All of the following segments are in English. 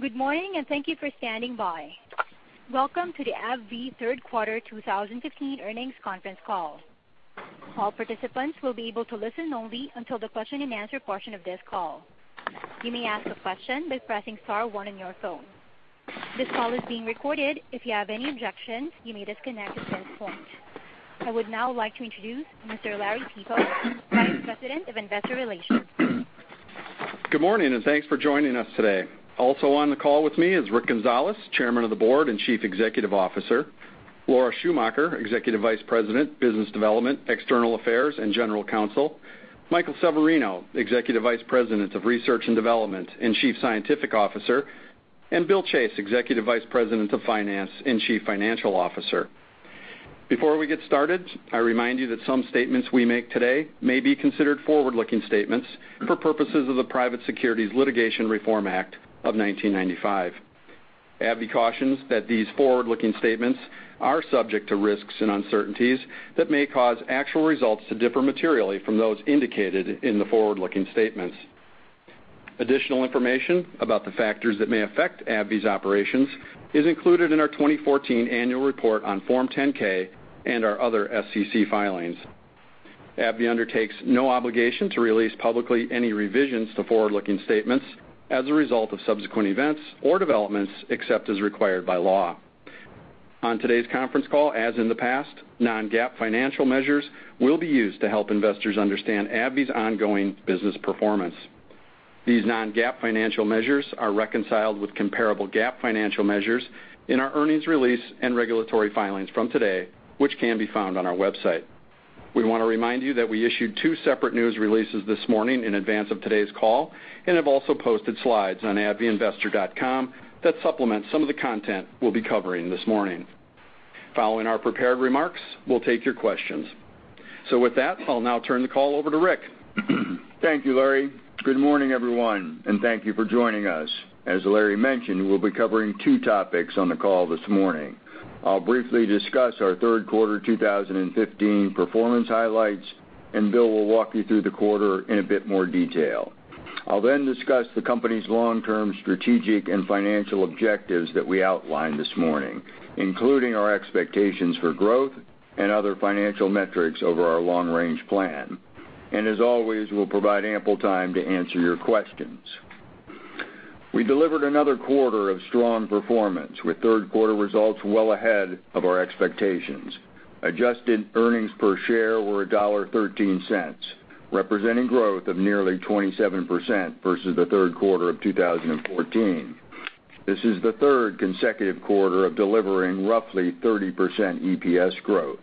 Good morning, and thank you for standing by. Welcome to the AbbVie Third Quarter 2015 Earnings Conference Call. All participants will be able to listen only until the question and answer portion of this call. You may ask a question by pressing star one on your phone. This call is being recorded. If you have any objections, you may disconnect at this point. I would now like to introduce Mr. Larry Peepo, Vice President of Investor Relations. Good morning, and thanks for joining us today. Also on the call with me is Rick Gonzalez, Chairman of the Board and Chief Executive Officer, Laura Schumacher, Executive Vice President, Business Development, External Affairs, and General Counsel, Michael Severino, Executive Vice President of Research and Development and Chief Scientific Officer, and Bill Chase, Executive Vice President of Finance and Chief Financial Officer. Before we get started, I remind you that some statements we make today may be considered forward-looking statements for purposes of the Private Securities Litigation Reform Act of 1995. AbbVie cautions that these forward-looking statements are subject to risks and uncertainties that may cause actual results to differ materially from those indicated in the forward-looking statements. Additional information about the factors that may affect AbbVie's operations is included in our 2014 annual report on Form 10-K and our other SEC filings. AbbVie undertakes no obligation to release publicly any revisions to forward-looking statements as a result of subsequent events or developments, except as required by law. On today's conference call, as in the past, non-GAAP financial measures will be used to help investors understand AbbVie's ongoing business performance. These non-GAAP financial measures are reconciled with comparable GAAP financial measures in our earnings release and regulatory filings from today, which can be found on our website. We want to remind you that we issued two separate news releases this morning in advance of today's call and have also posted slides on investors.abbvie.com that supplement some of the content we'll be covering this morning. Following our prepared remarks, we'll take your questions. With that, I'll now turn the call over to Rick. Thank you, Larry. Good morning, everyone, and thank you for joining us. As Larry mentioned, we'll be covering two topics on the call this morning. I'll briefly discuss our Third Quarter 2015 performance highlights, and Bill will walk you through the quarter in a bit more detail. I'll then discuss the company's long-term strategic and financial objectives that we outlined this morning, including our expectations for growth and other financial metrics over our long-range plan. As always, we'll provide ample time to answer your questions. We delivered another quarter of strong performance, with third-quarter results well ahead of our expectations. Adjusted earnings per share were $1.13, representing growth of nearly 27% versus the Third Quarter of 2014. This is the third consecutive quarter of delivering roughly 30% EPS growth.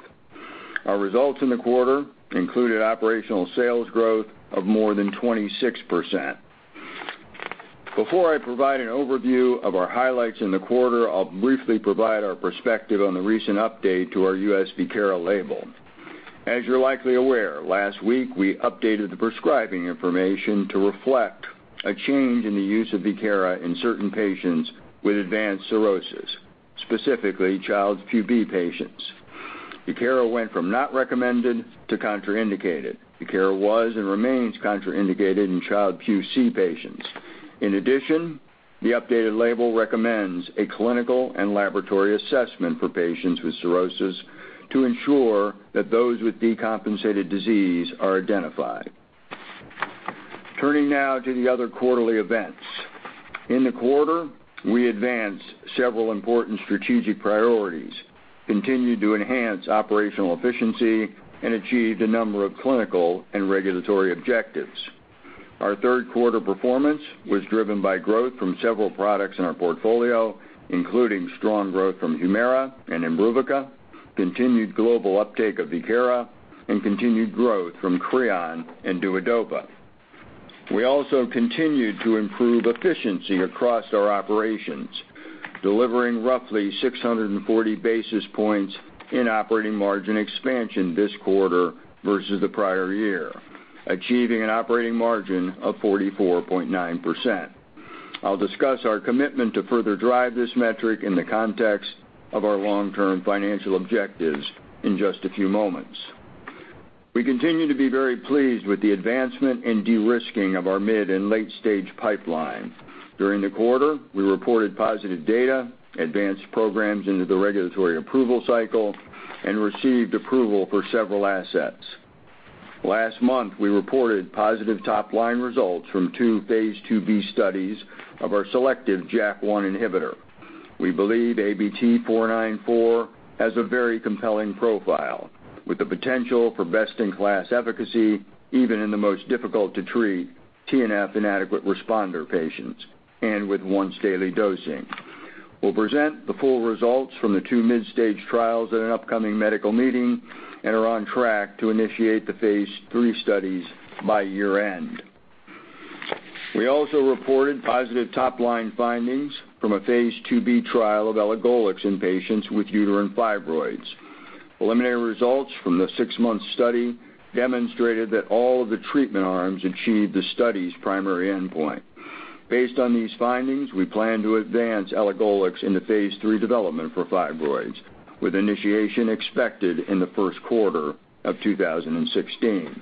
Our results in the quarter included operational sales growth of more than 26%. Before I provide an overview of our highlights in the quarter, I'll briefly provide our perspective on the recent update to our U.S. Viekira label. As you're likely aware, last week, we updated the prescribing information to reflect a change in the use of Viekira in certain patients with advanced cirrhosis, specifically Child-Pugh B patients. Viekira went from not recommended to contraindicated. Viekira was and remains contraindicated in Child-Pugh C patients. In addition, the updated label recommends a clinical and laboratory assessment for patients with cirrhosis to ensure that those with decompensated disease are identified. Turning now to the other quarterly events. In the quarter, we advanced several important strategic priorities, continued to enhance operational efficiency, and achieved a number of clinical and regulatory objectives. Our third-quarter performance was driven by growth from several products in our portfolio, including strong growth from HUMIRA and IMBRUVICA, continued global uptake of Viekira, and continued growth from CREON and DUODOPA. We also continued to improve efficiency across our operations, delivering roughly 640 basis points in operating margin expansion this quarter versus the prior year, achieving an operating margin of 44.9%. I'll discuss our commitment to further drive this metric in the context of our long-term financial objectives in just a few moments. We continue to be very pleased with the advancement and de-risking of our mid- and late-stage pipeline. During the quarter, we reported positive data, advanced programs into the regulatory approval cycle, and received approval for several assets. Last month, we reported positive top-line results from two phase II-B studies of our selective JAK1 inhibitor. We believe ABT-494 has a very compelling profile, with the potential for best-in-class efficacy even in the most difficult-to-treat TNF inadequate responder patients, and with once-daily dosing. We'll present the full results from the two mid-stage trials at an upcoming medical meeting and are on track to initiate the phase III studies by year-end. We also reported positive top-line findings from a phase II-B trial of elagolix in patients with uterine fibroids. Eliminating results from the six-month study demonstrated that all of the treatment arms achieved the study's primary endpoint. Based on these findings, we plan to advance elagolix into phase III development for fibroids, with initiation expected in the first quarter of 2016.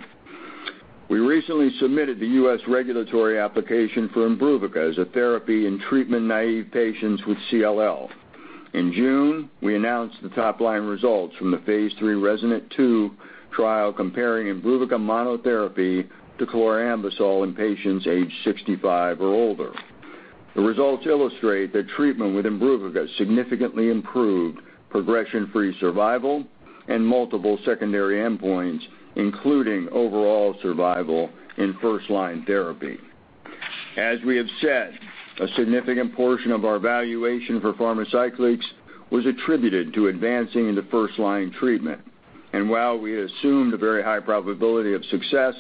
We recently submitted the U.S. regulatory application for IMBRUVICA as a therapy in treatment-naive patients with CLL. In June, we announced the top line results from the phase III RESONATE-2 trial comparing IMBRUVICA monotherapy to chlorambucil in patients aged 65 or older. The results illustrate that treatment with IMBRUVICA significantly improved progression-free survival and multiple secondary endpoints, including overall survival in first-line therapy. As we have said, a significant portion of our valuation for Pharmacyclics was attributed to advancing into first-line treatment. While we assumed a very high probability of success,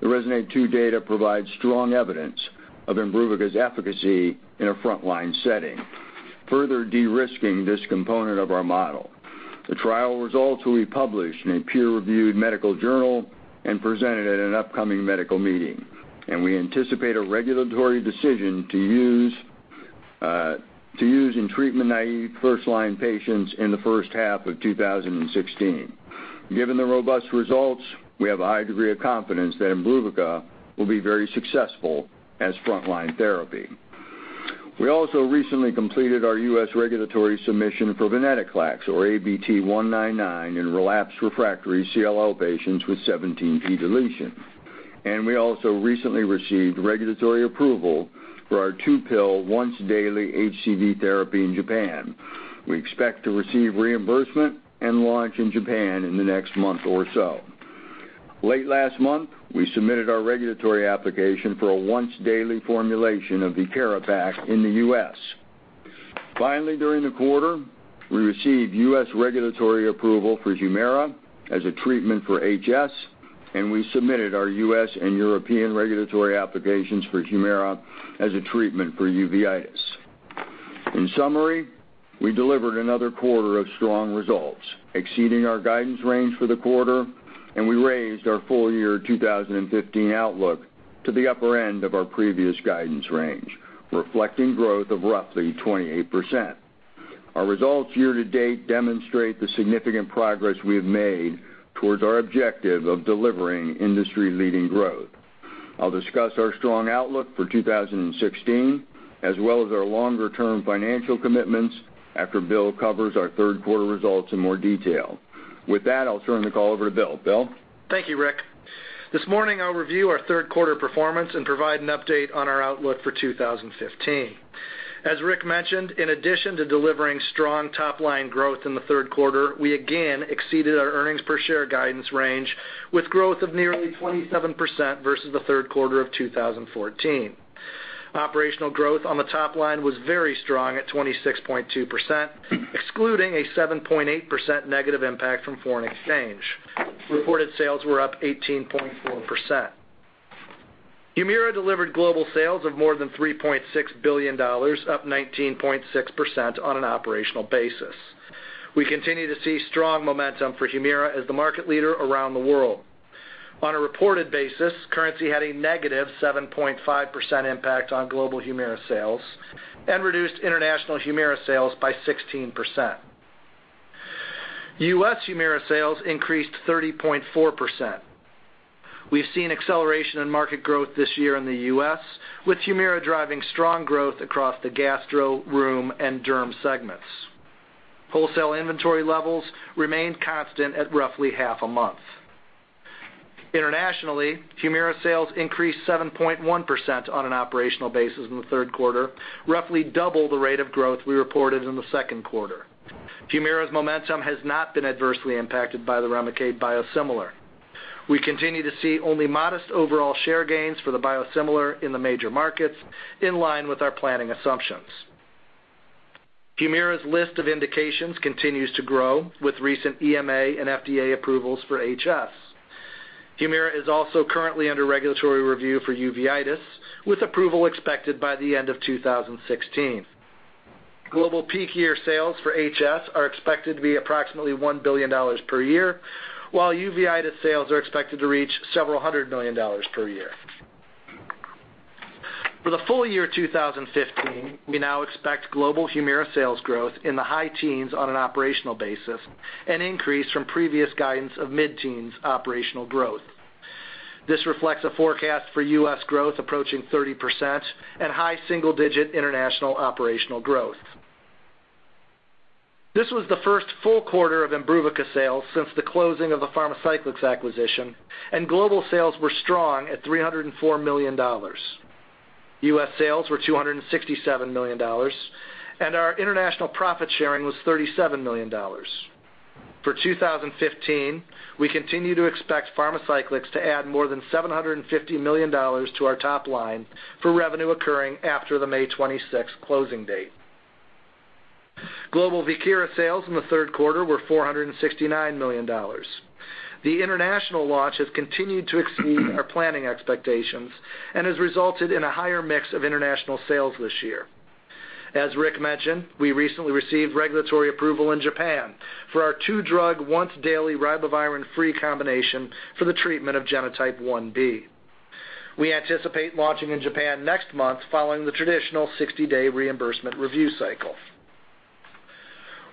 the RESONATE-2 data provides strong evidence of IMBRUVICA's efficacy in a front-line setting, further de-risking this component of our model. The trial results will be published in a peer-reviewed medical journal and presented at an upcoming medical meeting. We anticipate a regulatory decision to use in treatment-naive first-line patients in the first half of 2016. Given the robust results, we have a high degree of confidence that IMBRUVICA will be very successful as front-line therapy. We also recently completed our U.S. regulatory submission for venetoclax or ABT-199 in relapsed/refractory CLL patients with 17p deletion. We also recently received regulatory approval for our two-pill, once-daily HCV therapy in Japan. We expect to receive reimbursement and launch in Japan in the next month or so. Late last month, we submitted our regulatory application for a once-daily formulation of VIEKIRA PAK in the U.S. Finally, during the quarter, we received U.S. regulatory approval for HUMIRA as a treatment for HS, and we submitted our U.S. and European regulatory applications for HUMIRA as a treatment for uveitis. In summary, we delivered another quarter of strong results, exceeding our guidance range for the quarter, and we raised our full-year 2015 outlook to the upper end of our previous guidance range, reflecting growth of roughly 28%. Our results year-to-date demonstrate the significant progress we have made towards our objective of delivering industry-leading growth. I'll discuss our strong outlook for 2016, as well as our longer-term financial commitments after Bill covers our third quarter results in more detail. With that, I'll turn the call over to Bill. Bill? Thank you, Rick. This morning, I'll review our third quarter performance and provide an update on our outlook for 2015. As Rick mentioned, in addition to delivering strong top-line growth in the third quarter, we again exceeded our earnings per share guidance range with growth of nearly 27% versus the third quarter of 2014. Operational growth on the top line was very strong at 26.2%, excluding a 7.8% negative impact from foreign exchange. Reported sales were up 18.4%. HUMIRA delivered global sales of more than $3.6 billion, up 19.6% on an operational basis. We continue to see strong momentum for HUMIRA as the market leader around the world. On a reported basis, currency had a negative 7.5% impact on global HUMIRA sales and reduced international HUMIRA sales by 16%. U.S. HUMIRA sales increased 30.4%. We've seen acceleration in market growth this year in the U.S., with HUMIRA driving strong growth across the gastro, rheum, and derm segments. Wholesale inventory levels remained constant at roughly half a month. Internationally, HUMIRA sales increased 7.1% on an operational basis in the third quarter, roughly double the rate of growth we reported in the second quarter. HUMIRA's momentum has not been adversely impacted by the REMICADE biosimilar. We continue to see only modest overall share gains for the biosimilar in the major markets, in line with our planning assumptions. HUMIRA's list of indications continues to grow with recent EMA and FDA approvals for HS. HUMIRA is also currently under regulatory review for uveitis, with approval expected by the end of 2016. Global peak year sales for HS are expected to be approximately $1 billion per year, while uveitis sales are expected to reach several hundred million dollars per year. For the full year 2015, we now expect global HUMIRA sales growth in the high teens on an operational basis, an increase from previous guidance of mid-teens operational growth. This reflects a forecast for U.S. growth approaching 30% and high single-digit international operational growth. This was the first full quarter of IMBRUVICA sales since the closing of the Pharmacyclics acquisition. Global sales were strong at $304 million. U.S. sales were $267 million, and our international profit sharing was $37 million. For 2015, we continue to expect Pharmacyclics to add more than $750 million to our top line for revenue occurring after the May 26th closing date. Global VIEKIRA sales in the third quarter were $469 million. The international launch has continued to exceed our planning expectations and has resulted in a higher mix of international sales this year. As Rick mentioned, we recently received regulatory approval in Japan for our two-drug once-daily ribavirin-free combination for the treatment of genotype 1b. We anticipate launching in Japan next month, following the traditional 60-day reimbursement review cycle.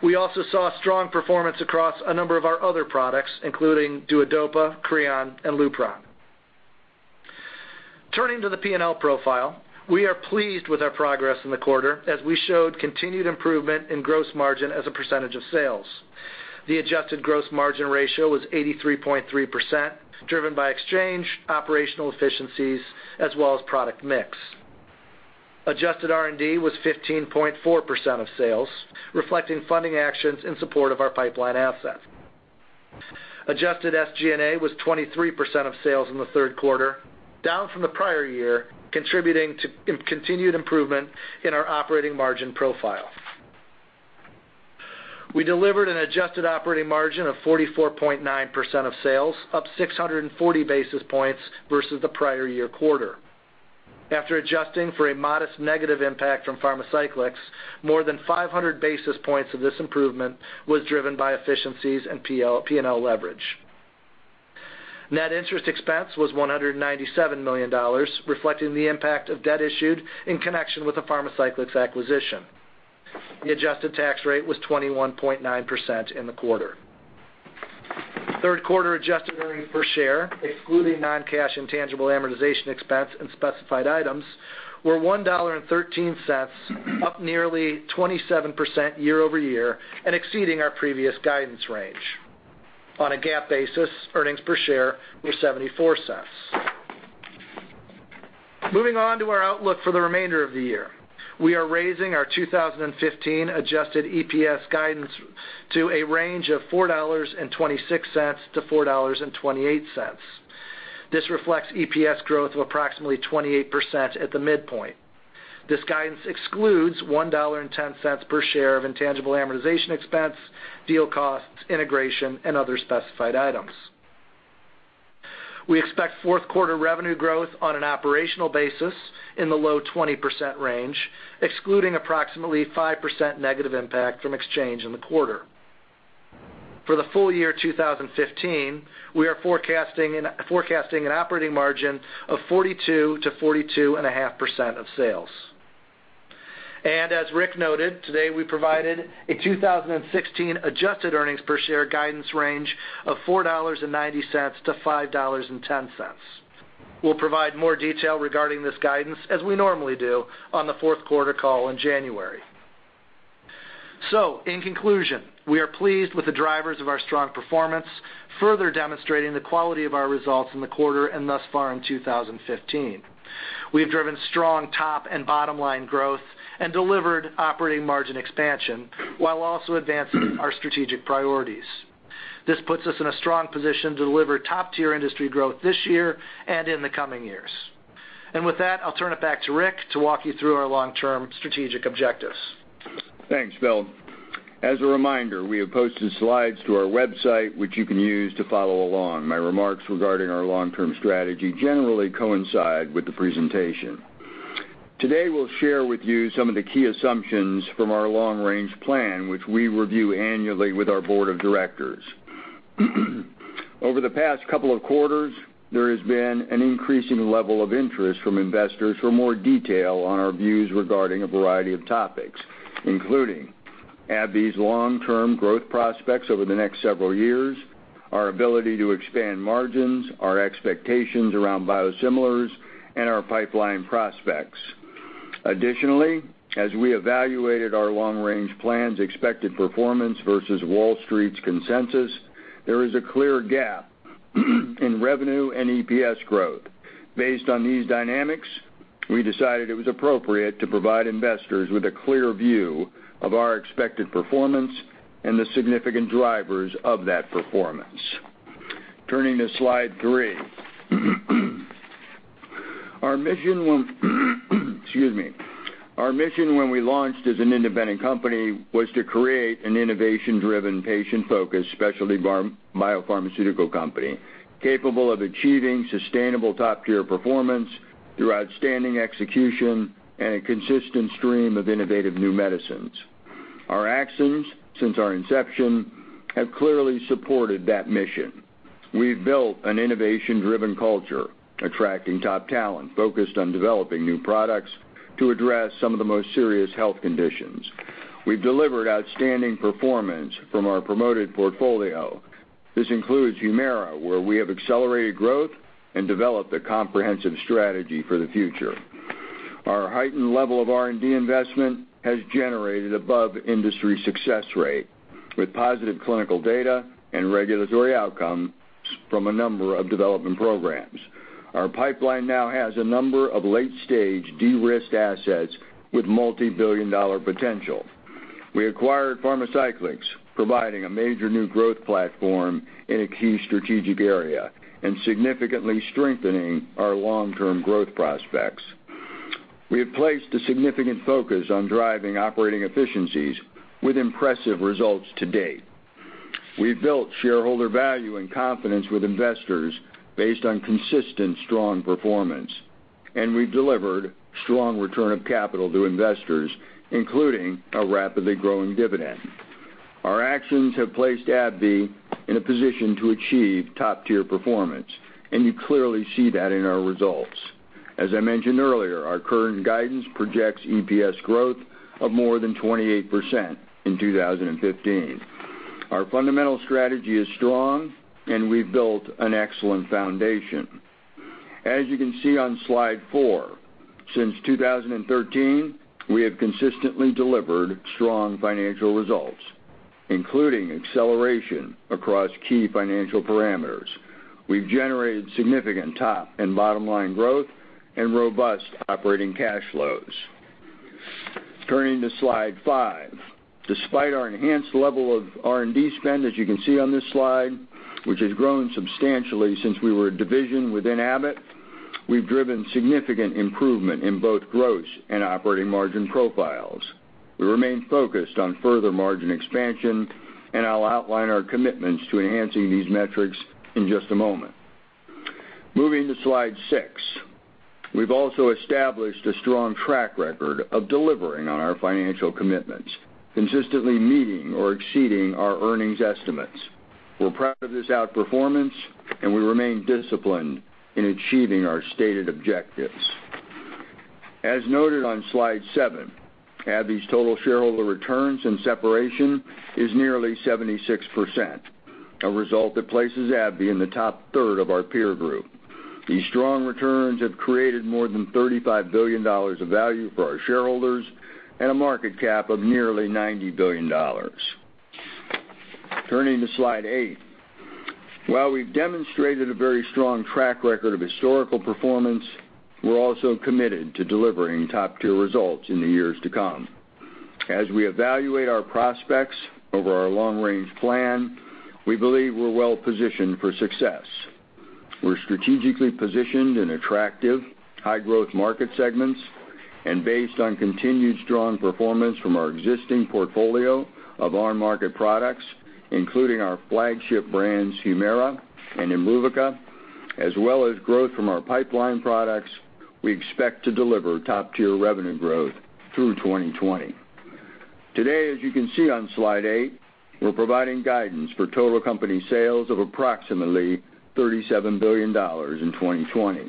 We also saw strong performance across a number of our other products, including DUODOPA, CREON, and LUPRON. Turning to the P&L profile, we are pleased with our progress in the quarter as we showed continued improvement in gross margin as a percentage of sales. The adjusted gross margin ratio was 83.3%, driven by exchange, operational efficiencies, as well as product mix. Adjusted R&D was 15.4% of sales, reflecting funding actions in support of our pipeline assets. Adjusted SG&A was 23% of sales in the third quarter, down from the prior year, contributing to continued improvement in our operating margin profile. We delivered an adjusted operating margin of 44.9% of sales, up 640 basis points versus the prior year quarter. After adjusting for a modest negative impact from Pharmacyclics, more than 500 basis points of this improvement was driven by efficiencies and P&L leverage. Net interest expense was $197 million, reflecting the impact of debt issued in connection with the Pharmacyclics acquisition. The adjusted tax rate was 21.9% in the quarter. Third quarter adjusted earnings per share, excluding non-cash intangible amortization expense and specified items, were $1.13, up nearly 27% year-over-year, exceeding our previous guidance range. On a GAAP basis, earnings per share were $0.74. Moving on to our outlook for the remainder of the year. We are raising our 2015 adjusted EPS guidance to a range of $4.26-$4.28. This reflects EPS growth of approximately 28% at the midpoint. This guidance excludes $1.10 per share of intangible amortization expense, deal costs, integration, and other specified items. We expect fourth quarter revenue growth on an operational basis in the low 20% range, excluding approximately 5% negative impact from exchange in the quarter. For the full year 2015, we are forecasting an operating margin of 42%-42.5% of sales. As Rick noted, today we provided a 2016 adjusted earnings per share guidance range of $4.90-$5.10. We'll provide more detail regarding this guidance, as we normally do, on the fourth quarter call in January. In conclusion, we are pleased with the drivers of our strong performance, further demonstrating the quality of our results in the quarter and thus far in 2015. We have driven strong top and bottom-line growth and delivered operating margin expansion while also advancing our strategic priorities. This puts us in a strong position to deliver top-tier industry growth this year and in the coming years. With that, I'll turn it back to Rick to walk you through our long-term strategic objectives. Thanks, Bill. As a reminder, we have posted slides to our website, which you can use to follow along. My remarks regarding our long-term strategy generally coincide with the presentation. Today, we'll share with you some of the key assumptions from our long-range plan, which we review annually with our board of directors. Over the past couple of quarters, there has been an increasing level of interest from investors for more detail on our views regarding a variety of topics, including AbbVie's long-term growth prospects over the next several years, our ability to expand margins, our expectations around biosimilars, and our pipeline prospects. Additionally, as we evaluated our long-range plan's expected performance versus Wall Street's consensus, there is a clear gap in revenue and EPS growth. Based on these dynamics, we decided it was appropriate to provide investors with a clear view of our expected performance and the significant drivers of that performance. Turning to Slide 3. Our mission when we launched as an independent company was to create an innovation-driven, patient-focused specialty biopharmaceutical company capable of achieving sustainable top-tier performance through outstanding execution and a consistent stream of innovative new medicines. Our actions since our inception have clearly supported that mission. We've built an innovation-driven culture, attracting top talent focused on developing new products to address some of the most serious health conditions. We've delivered outstanding performance from our promoted portfolio. This includes HUMIRA, where we have accelerated growth and developed a comprehensive strategy for the future. Our heightened level of R&D investment has generated above-industry success rate, with positive clinical data and regulatory outcomes from a number of development programs. Our pipeline now has a number of late-stage, de-risked assets with multi-billion dollar potential. We acquired Pharmacyclics, providing a major new growth platform in a key strategic area and significantly strengthening our long-term growth prospects. We have placed a significant focus on driving operating efficiencies with impressive results to date. We've built shareholder value and confidence with investors based on consistent, strong performance, and we've delivered strong return of capital to investors, including a rapidly growing dividend. Our actions have placed AbbVie in a position to achieve top-tier performance, and you clearly see that in our results. As I mentioned earlier, our current guidance projects EPS growth of more than 28% in 2015. Our fundamental strategy is strong, and we've built an excellent foundation. As you can see on Slide four, since 2013, we have consistently delivered strong financial results, including acceleration across key financial parameters. We've generated significant top and bottom-line growth and robust operating cash flows. Turning to Slide five. Despite our enhanced level of R&D spend, as you can see on this slide, which has grown substantially since we were a division within Abbott, we've driven significant improvement in both gross and operating margin profiles. We remain focused on further margin expansion, I'll outline our commitments to enhancing these metrics in just a moment. Moving to Slide six. We've also established a strong track record of delivering on our financial commitments, consistently meeting or exceeding our earnings estimates. We're proud of this outperformance, we remain disciplined in achieving our stated objectives. As noted on Slide seven, AbbVie's total shareholder returns and separation is nearly 76%, a result that places AbbVie in the top third of our peer group. These strong returns have created more than $35 billion of value for our shareholders and a market cap of nearly $90 billion. Turning to Slide eight. While we've demonstrated a very strong track record of historical performance, we're also committed to delivering top-tier results in the years to come. As we evaluate our prospects over our long-range plan, we believe we're well-positioned for success. We're strategically positioned in attractive, high-growth market segments. Based on continued strong performance from our existing portfolio of on-market products, including our flagship brands, HUMIRA and IMBRUVICA, as well as growth from our pipeline products, we expect to deliver top-tier revenue growth through 2020. Today, as you can see on Slide eight, we're providing guidance for total company sales of approximately $37 billion in 2020.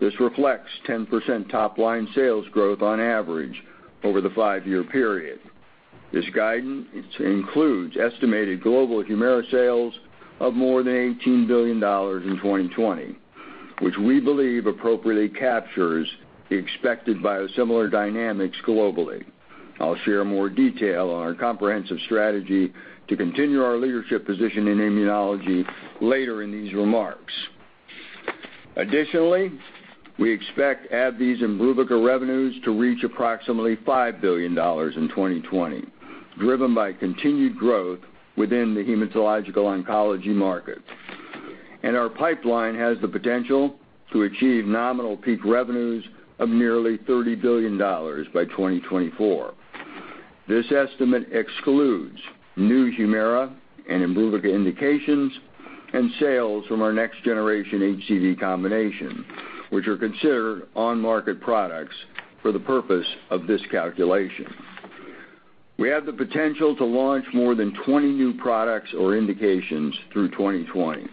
This reflects 10% top-line sales growth on average over the five-year period. This guidance includes estimated global HUMIRA sales of more than $18 billion in 2020, which we believe appropriately captures the expected biosimilar dynamics globally. I'll share more detail on our comprehensive strategy to continue our leadership position in immunology later in these remarks. Additionally, we expect AbbVie's IMBRUVICA revenues to reach approximately $5 billion in 2020, driven by continued growth within the hematological oncology market. Our pipeline has the potential to achieve nominal peak revenues of nearly $30 billion by 2024. This estimate excludes new HUMIRA and IMBRUVICA indications and sales from our next-generation HCV combination, which are considered on-market products for the purpose of this calculation. We have the potential to launch more than 20 new products or indications through 2020,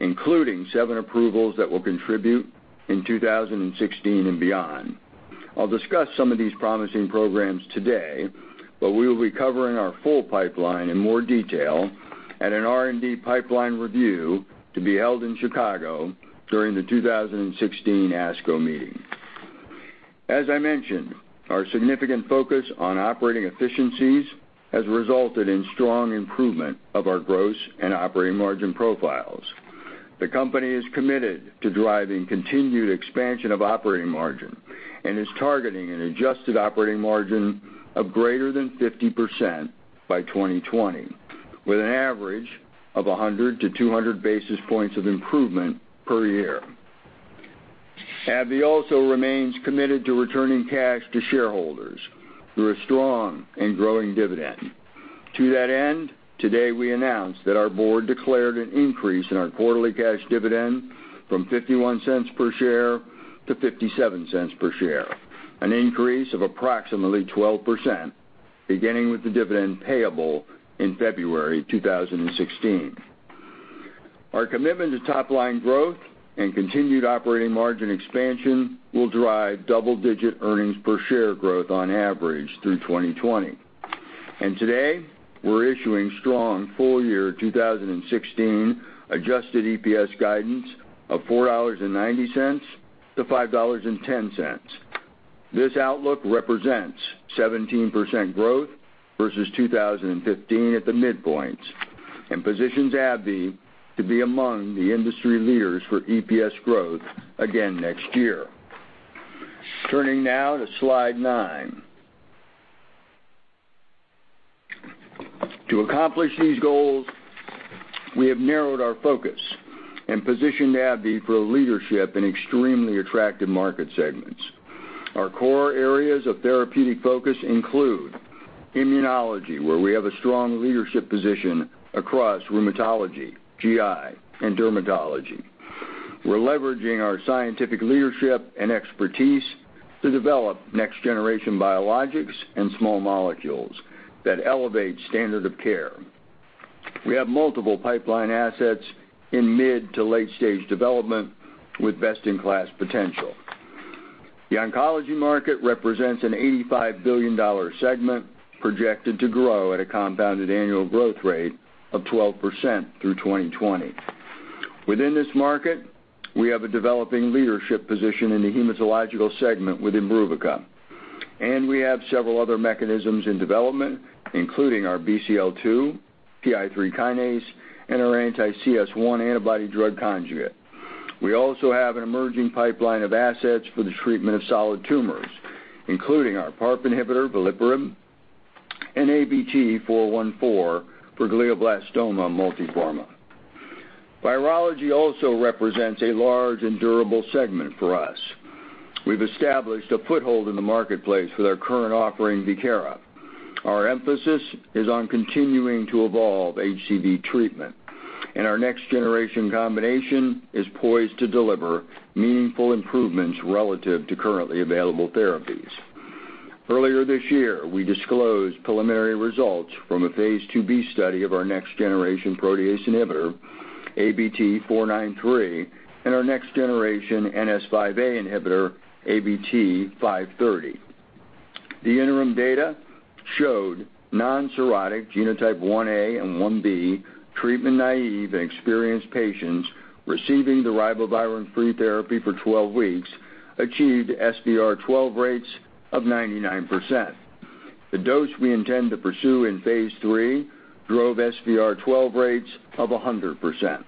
including seven approvals that will contribute in 2016 and beyond. I'll discuss some of these promising programs today, we will be covering our full pipeline in more detail at an R&D pipeline review to be held in Chicago during the 2016 ASCO meeting. As I mentioned, our significant focus on operating efficiencies has resulted in strong improvement of our gross and operating margin profiles. The company is committed to driving continued expansion of operating margin and is targeting an adjusted operating margin of greater than 50% by 2020, with an average of 100 to 200 basis points of improvement per year. AbbVie also remains committed to returning cash to shareholders through a strong and growing dividend. To that end, today, we announced that our board declared an increase in our quarterly cash dividend from $0.51 per share to $0.57 per share, an increase of approximately 12%, beginning with the dividend payable in February 2016. Our commitment to top-line growth and continued operating margin expansion will drive double-digit earnings per share growth on average through 2020. Today, we're issuing strong full-year 2016 adjusted EPS guidance of $4.90-$5.10. This outlook represents 17% growth versus 2015 at the midpoints and positions AbbVie to be among the industry leaders for EPS growth again next year. Turning now to Slide nine. To accomplish these goals, we have narrowed our focus and positioned AbbVie for leadership in extremely attractive market segments. Our core areas of therapeutic focus include immunology, where we have a strong leadership position across rheumatology, GI, and dermatology. We're leveraging our scientific leadership and expertise to develop next-generation biologics and small molecules that elevate standard of care. We have multiple pipeline assets in mid- to late-stage development with best-in-class potential. The oncology market represents an $85 billion segment projected to grow at a compounded annual growth rate of 12% through 2020. Within this market, we have a developing leadership position in the hematological segment with IMBRUVICA, and we have several other mechanisms in development, including our BCL-2, PI3 kinase, and our anti-CS1 antibody drug conjugate. We also have an emerging pipeline of assets for the treatment of solid tumors, including our PARP inhibitor, veliparib, and ABT-414 for glioblastoma multiforme. Virology also represents a large and durable segment for us. We've established a foothold in the marketplace with our current offering, VIEKIRA. Our emphasis is on continuing to evolve HCV treatment, and our next-generation combination is poised to deliver meaningful improvements relative to currently available therapies. Earlier this year, we disclosed preliminary results from a phase II-B study of our next-generation protease inhibitor, ABT-493, and our next-generation NS5A inhibitor, ABT-530. The interim data showed non-cirrhotic genotype 1a and 1b treatment naive and experienced patients receiving the ribavirin-free therapy for 12 weeks achieved SVR12 rates of 99%. The dose we intend to pursue in phase III drove SVR12 rates of 100%.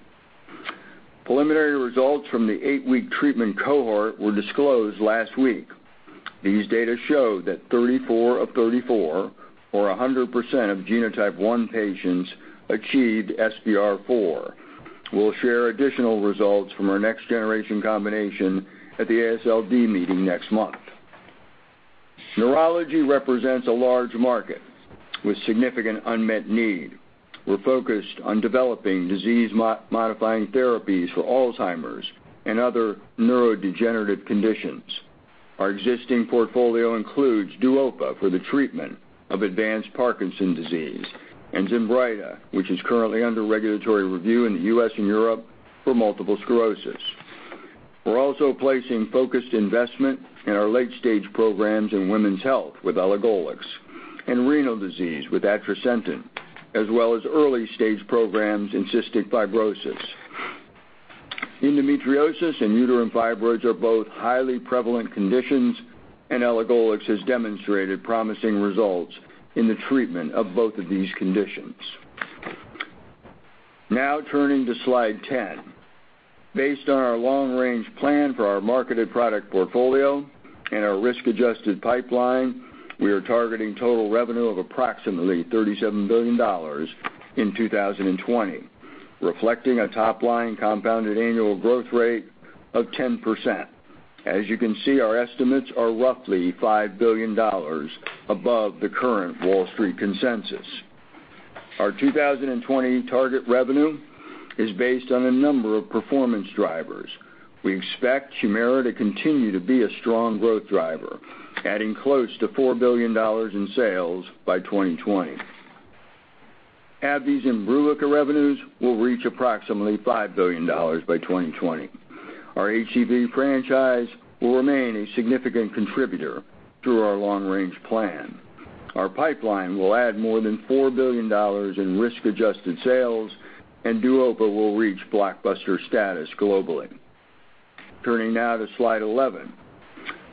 Preliminary results from the eight-week treatment cohort were disclosed last week. These data show that 34 of 34, or 100% of genotype 1 patients, achieved SVR4. We'll share additional results from our next-generation combination at the AASLD meeting next month. Neurology represents a large market with significant unmet need. We're focused on developing disease-modifying therapies for Alzheimer's and other neurodegenerative conditions. Our existing portfolio includes DUOPA for the treatment of advanced Parkinson's disease, and ZINBRYTA, which is currently under regulatory review in the U.S. and Europe for multiple sclerosis. We're also placing focused investment in our late-stage programs in women's health with elagolix, and renal disease with atrasentan, as well as early-stage programs in cystic fibrosis. Endometriosis and uterine fibroids are both highly prevalent conditions, and elagolix has demonstrated promising results in the treatment of both of these conditions. Turning now to Slide 10. Based on our long-range plan for our marketed product portfolio and our risk-adjusted pipeline, we are targeting total revenue of approximately $37 billion in 2020, reflecting a top-line compounded annual growth rate of 10%. As you can see, our estimates are roughly $5 billion above the current Wall Street consensus. Our 2020 target revenue is based on a number of performance drivers. We expect HUMIRA to continue to be a strong growth driver, adding close to $4 billion in sales by 2020. AbbVie's IMBRUVICA revenues will reach approximately $5 billion by 2020. Our HCV franchise will remain a significant contributor through our long-range plan. Our pipeline will add more than $4 billion in risk-adjusted sales, and DUOPA will reach blockbuster status globally. Turning now to slide 11.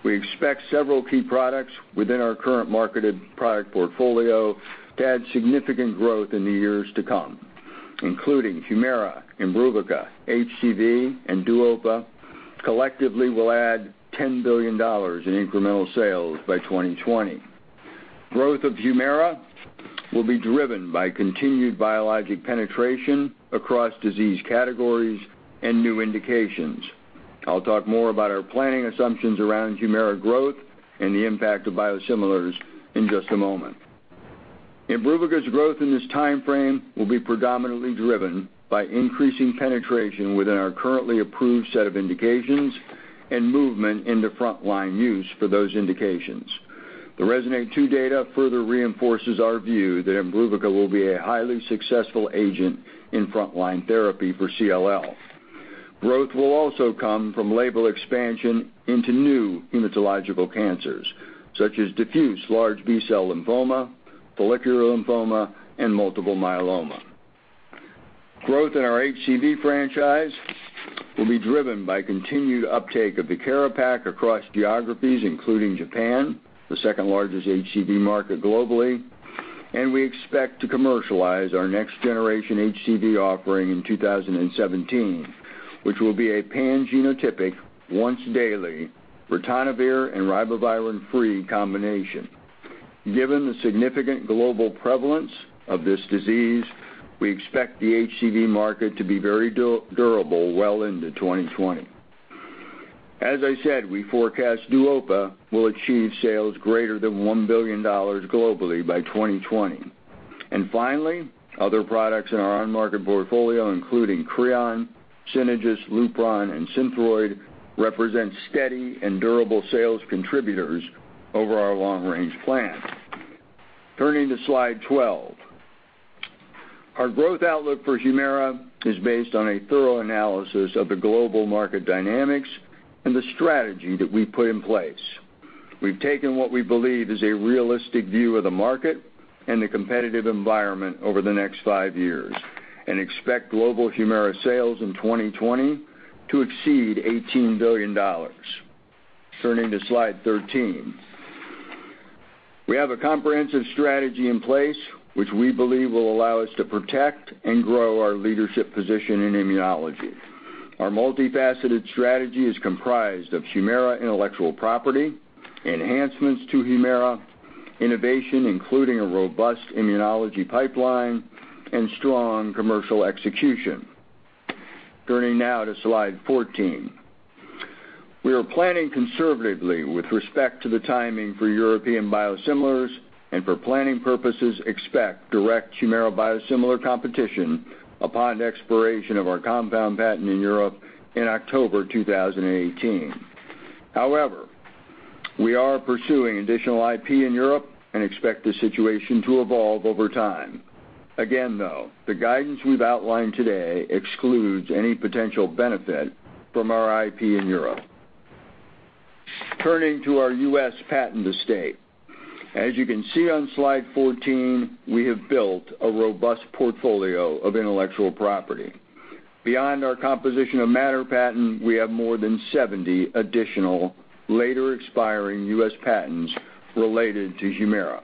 We expect several key products within our current marketed product portfolio to add significant growth in the years to come, including HUMIRA, IMBRUVICA, HCV, and DUOPA collectively will add $10 billion in incremental sales by 2020. Growth of HUMIRA will be driven by continued biologic penetration across disease categories and new indications. I'll talk more about our planning assumptions around HUMIRA growth and the impact of biosimilars in just a moment. IMBRUVICA's growth in this timeframe will be predominantly driven by increasing penetration within our currently approved set of indications and movement into frontline use for those indications. The RESONATE-2 data further reinforces our view that IMBRUVICA will be a highly successful agent in frontline therapy for CLL. Growth will also come from label expansion into new hematological cancers, such as diffuse large B-cell lymphoma, follicular lymphoma, and multiple myeloma. Growth in our HCV franchise will be driven by continued uptake of VIEKIRA PAK across geographies, including Japan, the second largest HCV market globally, and we expect to commercialize our next-generation HCV offering in 2017, which will be a pan-genotypic, once-daily, ritonavir and ribavirin-free combination. Given the significant global prevalence of this disease, we expect the HCV market to be very durable well into 2020. As I said, we forecast DUOPA will achieve sales greater than $1 billion globally by 2020. Finally, other products in our unmarketed portfolio, including CREON, Synagis, LUPRON, and SYNTHROID, represent steady and durable sales contributors over our long-range plan. Turning to slide 12. Our growth outlook for HUMIRA is based on a thorough analysis of the global market dynamics and the strategy that we've put in place. We've taken what we believe is a realistic view of the market and the competitive environment over the next five years, and expect global HUMIRA sales in 2020 to exceed $18 billion. Turning to slide 13. We have a comprehensive strategy in place which we believe will allow us to protect and grow our leadership position in immunology. Our multifaceted strategy is comprised of HUMIRA intellectual property, enhancements to HUMIRA, innovation, including a robust immunology pipeline, and strong commercial execution. Turning now to slide 14. We are planning conservatively with respect to the timing for European biosimilars, and for planning purposes, expect direct HUMIRA biosimilar competition upon the expiration of our compound patent in Europe in October 2018. We are pursuing additional IP in Europe and expect the situation to evolve over time. Though, the guidance we've outlined today excludes any potential benefit from our IP in Europe. Turning to our U.S. patent estate. As you can see on slide 14, we have built a robust portfolio of intellectual property. Beyond our composition of matter patent, we have more than 70 additional later expiring U.S. patents related to HUMIRA.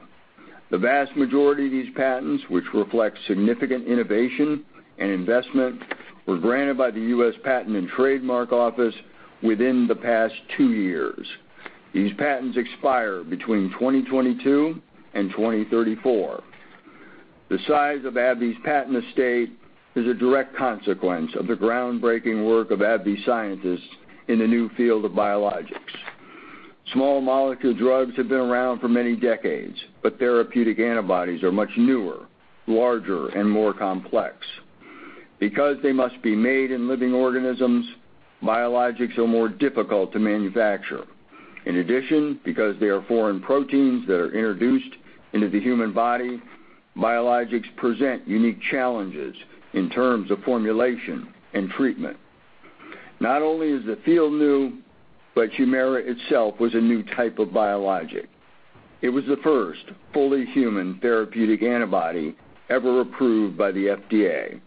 The vast majority of these patents, which reflect significant innovation and investment, were granted by the U.S. Patent and Trademark Office within the past two years. These patents expire between 2022 and 2034. The size of AbbVie's patent estate is a direct consequence of the groundbreaking work of AbbVie scientists in the new field of biologics. Small molecule drugs have been around for many decades, but therapeutic antibodies are much newer, larger, and more complex. Because they must be made in living organisms, biologics are more difficult to manufacture. In addition, because they are foreign proteins that are introduced into the human body, biologics present unique challenges in terms of formulation and treatment. Not only is the field new, but HUMIRA itself was a new type of biologic. It was the first fully human therapeutic antibody ever approved by the FDA.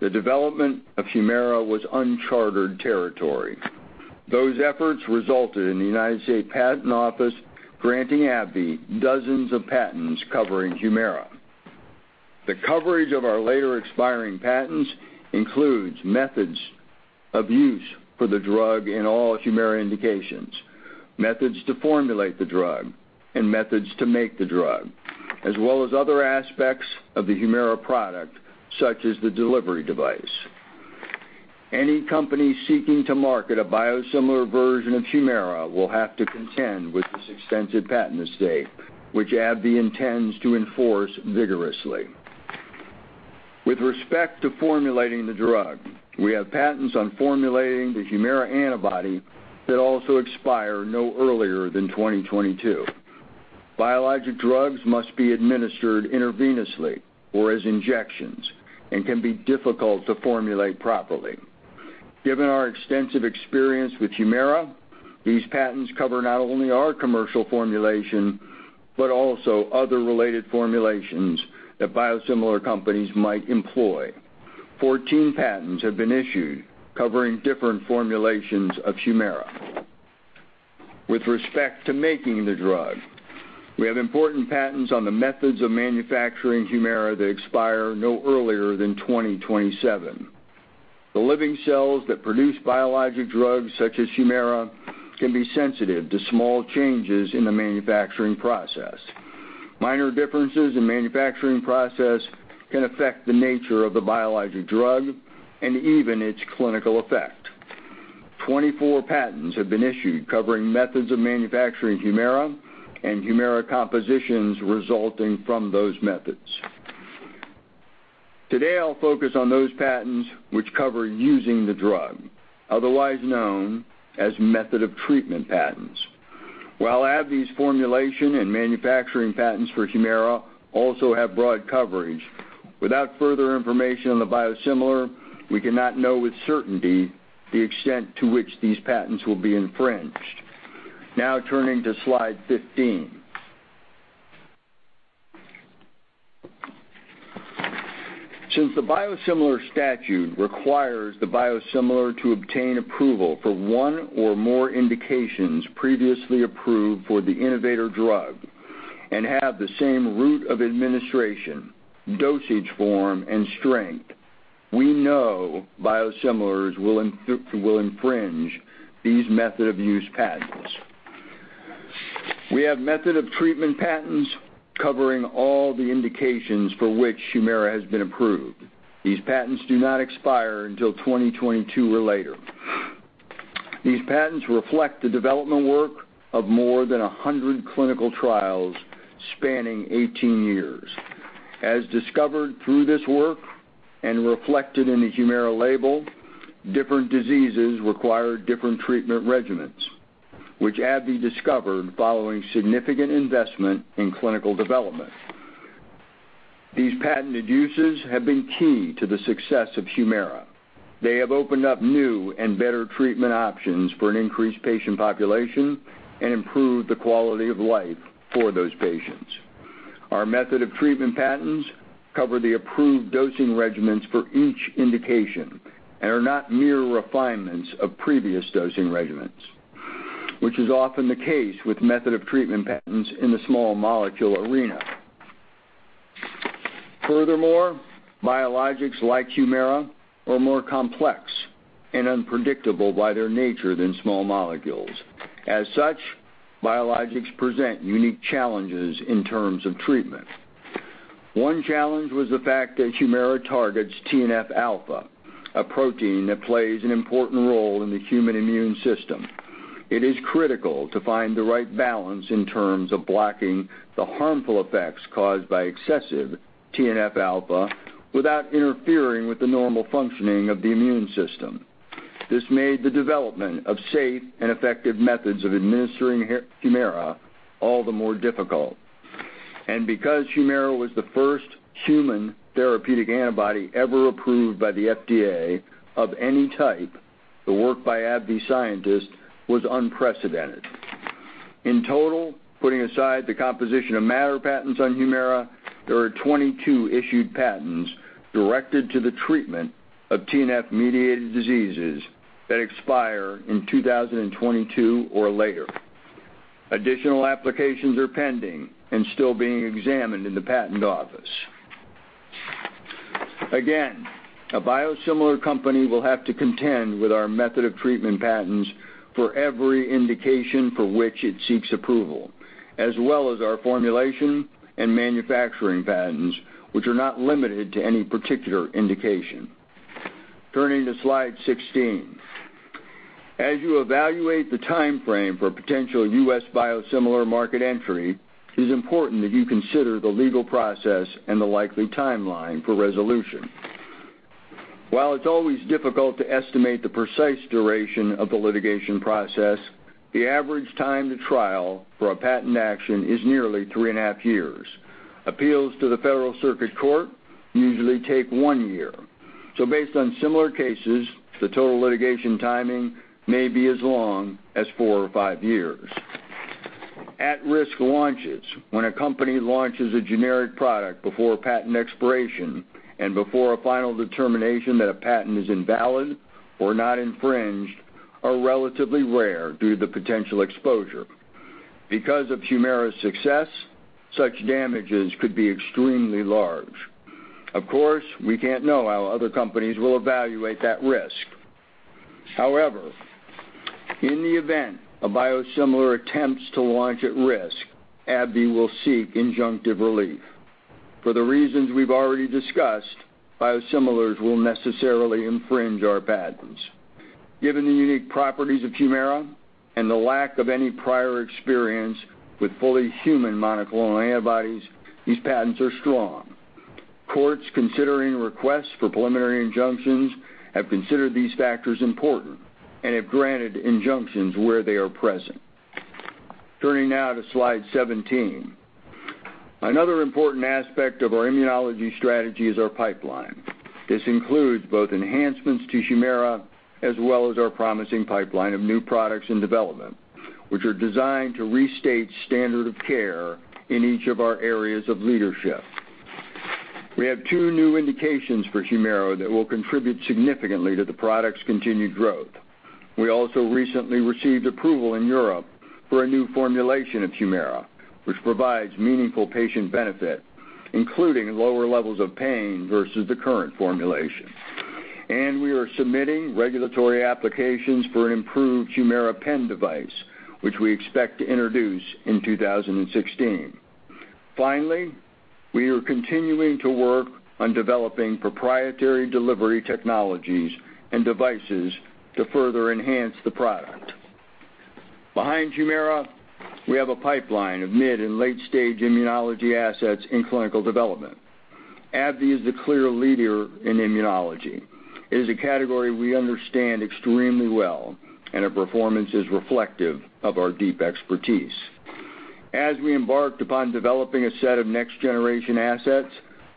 The development of HUMIRA was uncharted territory. Those efforts resulted in the United States Patent Office granting AbbVie dozens of patents covering HUMIRA. The coverage of our later expiring patents includes methods of use for the drug in all HUMIRA indications, methods to formulate the drug, and methods to make the drug, as well as other aspects of the HUMIRA product, such as the delivery device. Any company seeking to market a biosimilar version of HUMIRA will have to contend with this extensive patent estate, which AbbVie intends to enforce vigorously. With respect to formulating the drug, we have patents on formulating the HUMIRA antibody that also expire no earlier than 2022. Biologic drugs must be administered intravenously or as injections and can be difficult to formulate properly. Given our extensive experience with HUMIRA, these patents cover not only our commercial formulation, but also other related formulations that biosimilar companies might employ. 14 patents have been issued covering different formulations of HUMIRA. With respect to making the drug, we have important patents on the methods of manufacturing HUMIRA that expire no earlier than 2027. The living cells that produce biologic drugs such as HUMIRA can be sensitive to small changes in the manufacturing process. Minor differences in manufacturing process can affect the nature of the biologic drug and even its clinical effect. 24 patents have been issued covering methods of manufacturing HUMIRA and HUMIRA compositions resulting from those methods. Today, I'll focus on those patents which cover using the drug, otherwise known as method of treatment patents. While AbbVie's formulation and manufacturing patents for HUMIRA also have broad coverage, without further information on the biosimilar, we cannot know with certainty the extent to which these patents will be infringed. Now turning to slide 15. Since the biosimilar statute requires the biosimilar to obtain approval for one or more indications previously approved for the innovator drug and have the same route of administration, dosage form, and strength, we know biosimilars will infringe these method of use patents. We have method of treatment patents covering all the indications for which HUMIRA has been approved. These patents do not expire until 2022 or later. These patents reflect the development work of more than 100 clinical trials spanning 18 years. As discovered through this work, and reflected in the HUMIRA label, different diseases require different treatment regimens, which AbbVie discovered following significant investment in clinical development. These patented uses have been key to the success of HUMIRA. They have opened up new and better treatment options for an increased patient population and improved the quality of life for those patients. Our method of treatment patents cover the approved dosing regimens for each indication and are not mere refinements of previous dosing regimens, which is often the case with method of treatment patents in the small molecule arena. Furthermore, biologics like HUMIRA are more complex and unpredictable by their nature than small molecules. As such, biologics present unique challenges in terms of treatment. One challenge was the fact that HUMIRA targets TNF-alpha, a protein that plays an important role in the human immune system. It is critical to find the right balance in terms of blocking the harmful effects caused by excessive TNF-alpha without interfering with the normal functioning of the immune system. This made the development of safe and effective methods of administering HUMIRA all the more difficult. Because HUMIRA was the first human therapeutic antibody ever approved by the FDA of any type, the work by AbbVie scientists was unprecedented. In total, putting aside the composition of matter patents on HUMIRA, there are 22 issued patents directed to the treatment of TNF-mediated diseases that expire in 2022 or later. Additional applications are pending and still being examined in the patent office. Again, a biosimilar company will have to contend with our method of treatment patents for every indication for which it seeks approval, as well as our formulation and manufacturing patents, which are not limited to any particular indication. Turning to slide 16. As you evaluate the timeframe for potential U.S. biosimilar market entry, it is important that you consider the legal process and the likely timeline for resolution. While it's always difficult to estimate the precise duration of the litigation process, the average time to trial for a patent action is nearly three and a half years. Appeals to the Federal Circuit court usually take one year. Based on similar cases, the total litigation timing may be as long as four or five years. At-risk launches, when a company launches a generic product before patent expiration and before a final determination that a patent is invalid or not infringed, are relatively rare due to the potential exposure. Because of HUMIRA's success, such damages could be extremely large. Of course, we can't know how other companies will evaluate that risk. However, in the event a biosimilar attempts to launch at risk, AbbVie will seek injunctive relief. For the reasons we've already discussed, biosimilars will necessarily infringe our patents. Given the unique properties of HUMIRA and the lack of any prior experience with fully human monoclonal antibodies, these patents are strong. Courts considering requests for preliminary injunctions have considered these factors important and have granted injunctions where they are present. Turning now to slide 17. Another important aspect of our immunology strategy is our pipeline. This includes both enhancements to HUMIRA, as well as our promising pipeline of new products in development, which are designed to restate standard of care in each of our areas of leadership. We have two new indications for HUMIRA that will contribute significantly to the product's continued growth. We also recently received approval in Europe for a new formulation of HUMIRA, which provides meaningful patient benefit, including lower levels of pain versus the current formulation. We are submitting regulatory applications for an improved HUMIRA pen device, which we expect to introduce in 2016. Finally, we are continuing to work on developing proprietary delivery technologies and devices to further enhance the product. Behind HUMIRA, we have a pipeline of mid and late-stage immunology assets in clinical development. AbbVie is the clear leader in immunology. It is a category we understand extremely well, our performance is reflective of our deep expertise. As we embarked upon developing a set of next-generation assets,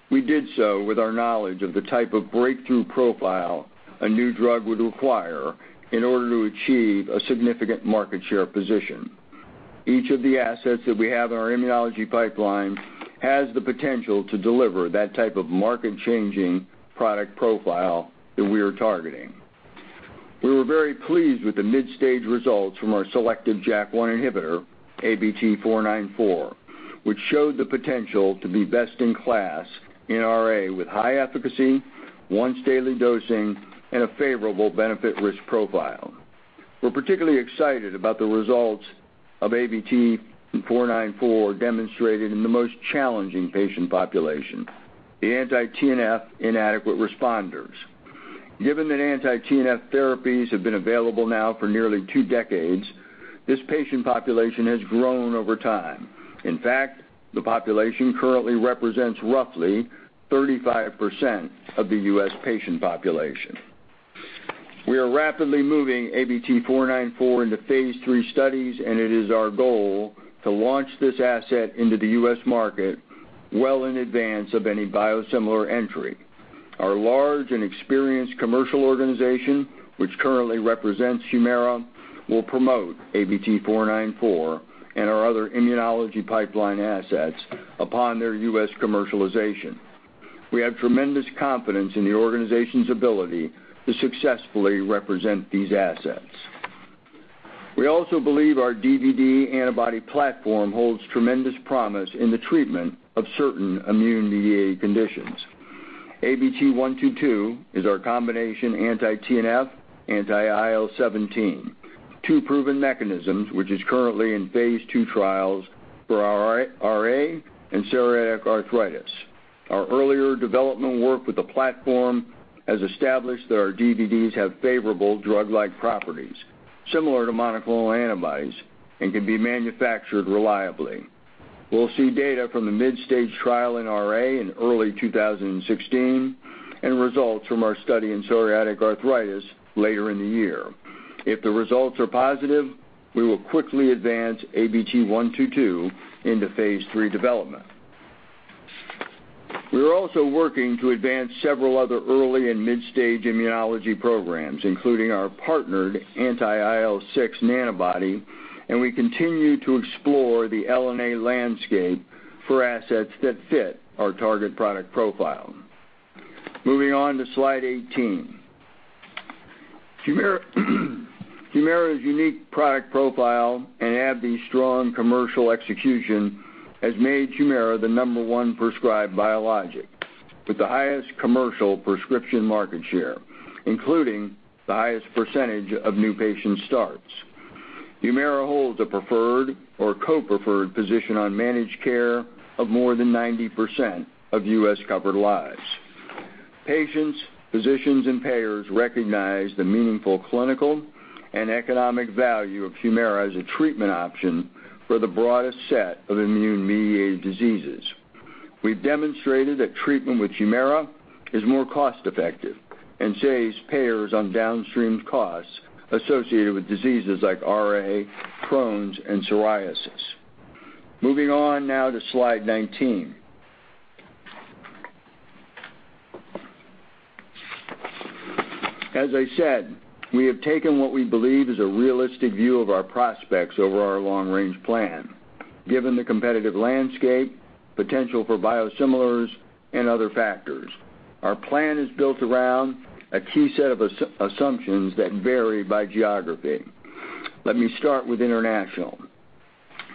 we did so with our knowledge of the type of breakthrough profile a new drug would require in order to achieve a significant market share position. Each of the assets that we have in our immunology pipeline has the potential to deliver that type of market-changing product profile that we are targeting. We were very pleased with the mid-stage results from our selective JAK1 inhibitor, ABT-494, which showed the potential to be best in class in RA with high efficacy, once daily dosing, and a favorable benefit risk profile. We're particularly excited about the results of ABT-494 demonstrated in the most challenging patient population, the anti-TNF inadequate responders. Given that anti-TNF therapies have been available now for nearly two decades, this patient population has grown over time. In fact, the population currently represents roughly 35% of the U.S. patient population. We are rapidly moving ABT-494 into phase III studies, it is our goal to launch this asset into the U.S. market well in advance of any biosimilar entry. Our large and experienced commercial organization, which currently represents HUMIRA, will promote ABT-494 and our other immunology pipeline assets upon their U.S. commercialization. We have tremendous confidence in the organization's ability to successfully represent these assets. We also believe our DVD antibody platform holds tremendous promise in the treatment of certain immune-mediated conditions. ABT-122 is our combination anti-TNF, anti-IL-17, two proven mechanisms, which is currently in phase II trials for RA and psoriatic arthritis. Our earlier development work with the platform has established that our DVDs have favorable drug-like properties, similar to monoclonal antibodies, and can be manufactured reliably. We'll see data from the mid-stage trial in RA in early 2016, results from our study in psoriatic arthritis later in the year. If the results are positive, we will quickly advance ABT-122 into phase III development. We are also working to advance several other early and mid-stage immunology programs, including our partnered anti-IL-6 nanobody, we continue to explore the L&A landscape for assets that fit our target product profile. Moving on to slide 18. HUMIRA's unique product profile and AbbVie's strong commercial execution has made HUMIRA the number one prescribed biologic with the highest commercial prescription market share, including the highest percentage of new patient starts. HUMIRA holds a preferred or co-preferred position on managed care of more than 90% of U.S. covered lives. Patients, physicians, and payers recognize the meaningful clinical and economic value of HUMIRA as a treatment option for the broadest set of immune-mediated diseases. We've demonstrated that treatment with HUMIRA is more cost-effective and saves payers on downstream costs associated with diseases like RA, Crohn's, and psoriasis. Moving on now to slide 19. As I said, we have taken what we believe is a realistic view of our prospects over our long-range plan, given the competitive landscape, potential for biosimilars, and other factors. Our plan is built around a key set of assumptions that vary by geography. Let me start with international.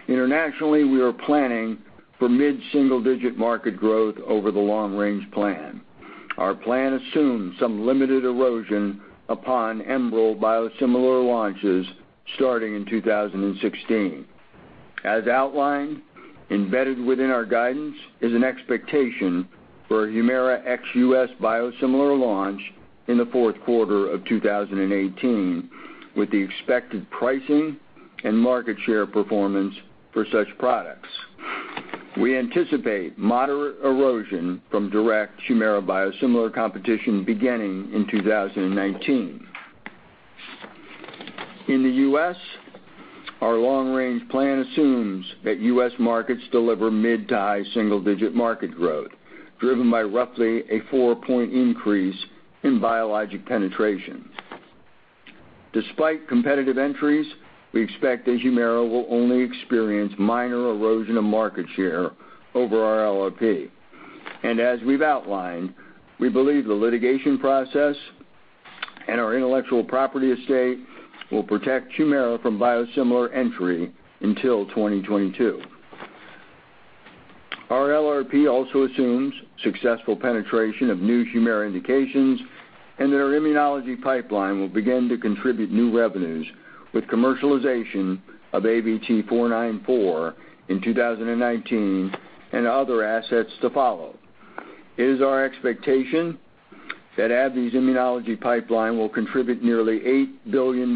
Internationally, we are planning for mid-single digit market growth over the long-range plan. Our plan assumes some limited erosion upon ENBREL biosimilar launches starting in 2016. As outlined, embedded within our guidance is an expectation for HUMIRA ex-U.S. biosimilar launch in the fourth quarter of 2018 with the expected pricing and market share performance for such products. We anticipate moderate erosion from direct HUMIRA biosimilar competition beginning in 2019. In the U.S., our long-range plan assumes that U.S. markets deliver mid to high single digit market growth, driven by roughly a four-point increase in biologic penetration. Despite competitive entries, we expect that HUMIRA will only experience minor erosion of market share over our LRP. As we've outlined, we believe the litigation process and our intellectual property estate will protect HUMIRA from biosimilar entry until 2022. Our LRP also assumes successful penetration of new HUMIRA indications and that our immunology pipeline will begin to contribute new revenues with commercialization of ABT-494 in 2019 and other assets to follow. It is our expectation that AbbVie's immunology pipeline will contribute nearly $8 billion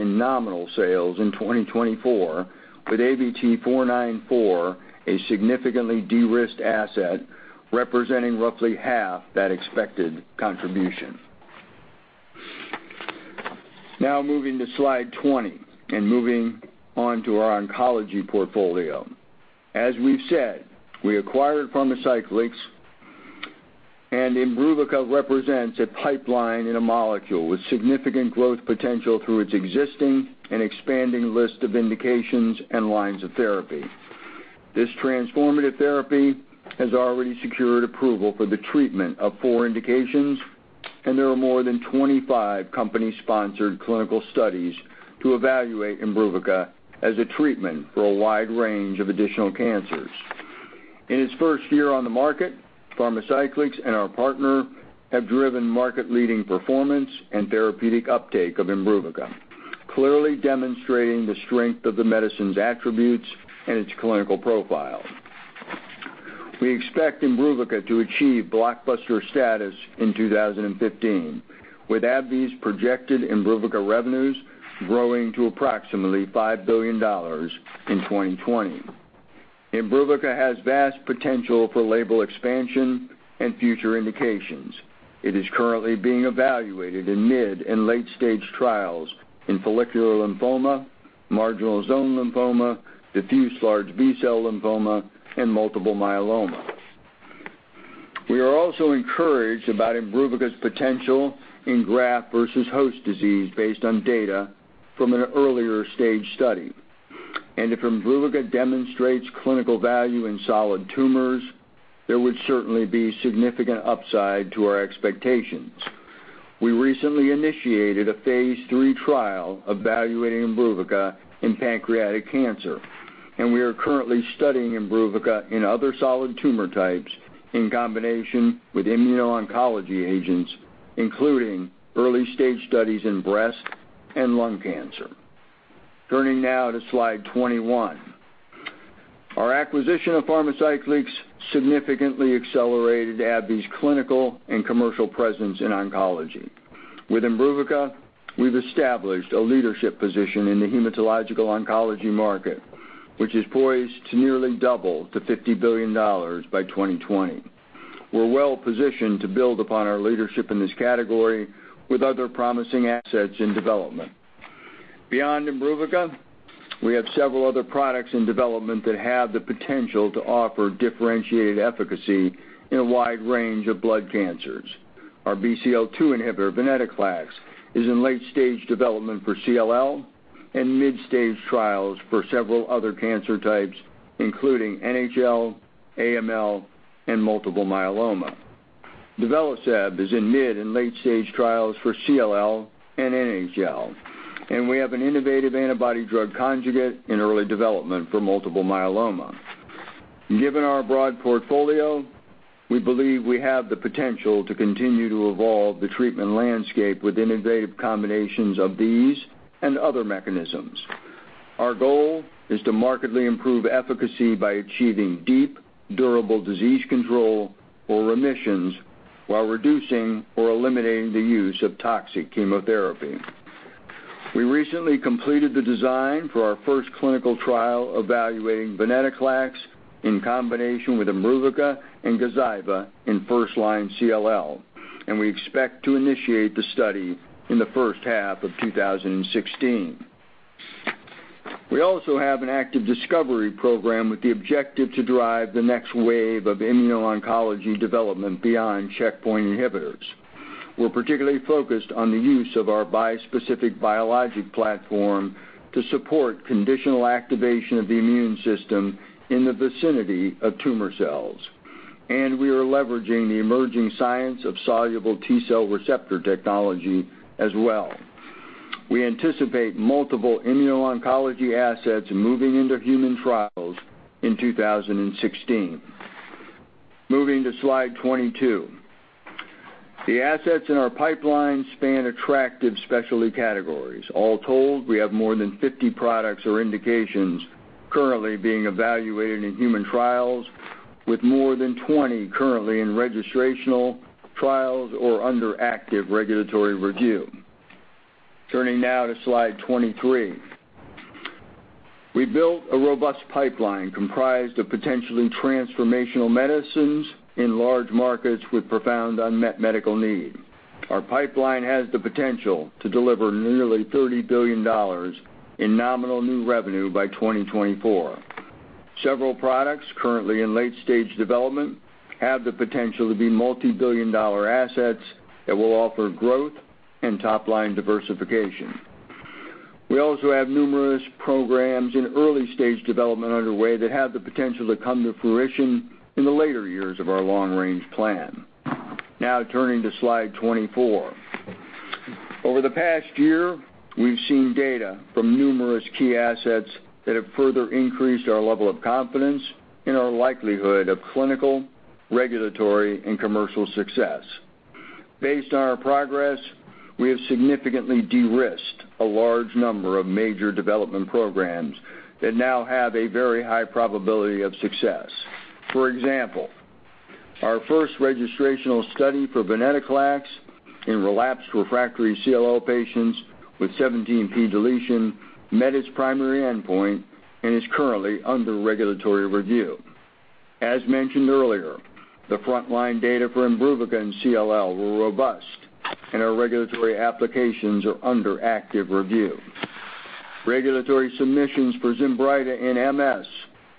in nominal sales in 2024, with ABT-494, a significantly de-risked asset, representing roughly half that expected contribution. Moving to slide 20 and moving on to our oncology portfolio. As we've said, we acquired Pharmacyclics, IMBRUVICA represents a pipeline in a molecule with significant growth potential through its existing and expanding list of indications and lines of therapy. This transformative therapy has already secured approval for the treatment of four indications, and there are more than 25 company-sponsored clinical studies to evaluate IMBRUVICA as a treatment for a wide range of additional cancers. In its first year on the market, Pharmacyclics and our partner have driven market-leading performance and therapeutic uptake of IMBRUVICA, clearly demonstrating the strength of the medicine's attributes and its clinical profile. We expect IMBRUVICA to achieve blockbuster status in 2015, with AbbVie's projected IMBRUVICA revenues growing to approximately $5 billion in 2020. IMBRUVICA has vast potential for label expansion and future indications. It is currently being evaluated in mid- and late-stage trials in follicular lymphoma, marginal zone lymphoma, diffuse large B-cell lymphoma, and multiple myeloma. We are also encouraged about IMBRUVICA's potential in graft versus host disease based on data from an earlier stage study. If IMBRUVICA demonstrates clinical value in solid tumors, there would certainly be significant upside to our expectations. We recently initiated a phase III trial evaluating IMBRUVICA in pancreatic cancer, and we are currently studying IMBRUVICA in other solid tumor types in combination with immuno-oncology agents, including early stage studies in breast and lung cancer. Turning to slide 21. Our acquisition of Pharmacyclics significantly accelerated AbbVie's clinical and commercial presence in oncology. With IMBRUVICA, we've established a leadership position in the hematological oncology market, which is poised to nearly double to $50 billion by 2020. We're well-positioned to build upon our leadership in this category with other promising assets in development. Beyond IMBRUVICA, we have several other products in development that have the potential to offer differentiated efficacy in a wide range of blood cancers. Our BCL-2 inhibitor, venetoclax, is in late-stage development for CLL and mid-stage trials for several other cancer types, including NHL, AML, and multiple myeloma. Duvelisib is in mid- and late-stage trials for CLL and NHL, and we have an innovative antibody-drug conjugate in early development for multiple myeloma. Given our broad portfolio, we believe we have the potential to continue to evolve the treatment landscape with innovative combinations of these and other mechanisms. Our goal is to markedly improve efficacy by achieving deep, durable disease control or remissions while reducing or eliminating the use of toxic chemotherapy. We recently completed the design for our first clinical trial evaluating venetoclax in combination with IMBRUVICA and GAZYVA in first-line CLL, and we expect to initiate the study in the first half of 2016. We also have an active discovery program with the objective to drive the next wave of immuno-oncology development beyond checkpoint inhibitors. We're particularly focused on the use of our bispecific biologic platform to support conditional activation of the immune system in the vicinity of tumor cells, and we are leveraging the emerging science of soluble T-cell receptor technology as well. We anticipate multiple immuno-oncology assets moving into human trials in 2016. Moving to slide 22. The assets in our pipeline span attractive specialty categories. All told, we have more than 50 products or indications currently being evaluated in human trials, with more than 20 currently in registrational trials or under active regulatory review. Turning now to slide 23. We built a robust pipeline comprised of potentially transformational medicines in large markets with profound unmet medical need. Our pipeline has the potential to deliver nearly $30 billion in nominal new revenue by 2024. Several products currently in late-stage development have the potential to be multibillion-dollar assets that will offer growth and top-line diversification. We also have numerous programs in early-stage development underway that have the potential to come to fruition in the later years of our long-range plan. Now turning to slide 24. Over the past year, we've seen data from numerous key assets that have further increased our level of confidence in our likelihood of clinical, regulatory, and commercial success. Based on our progress, we have significantly de-risked a large number of major development programs that now have a very high probability of success. For example, our first registrational study for venetoclax in relapsed/refractory CLL patients with 17p deletion met its primary endpoint and is currently under regulatory review. As mentioned earlier, the frontline data for IMBRUVICA in CLL were robust, and our regulatory applications are under active review. Regulatory submissions for ZINBRYTA in MS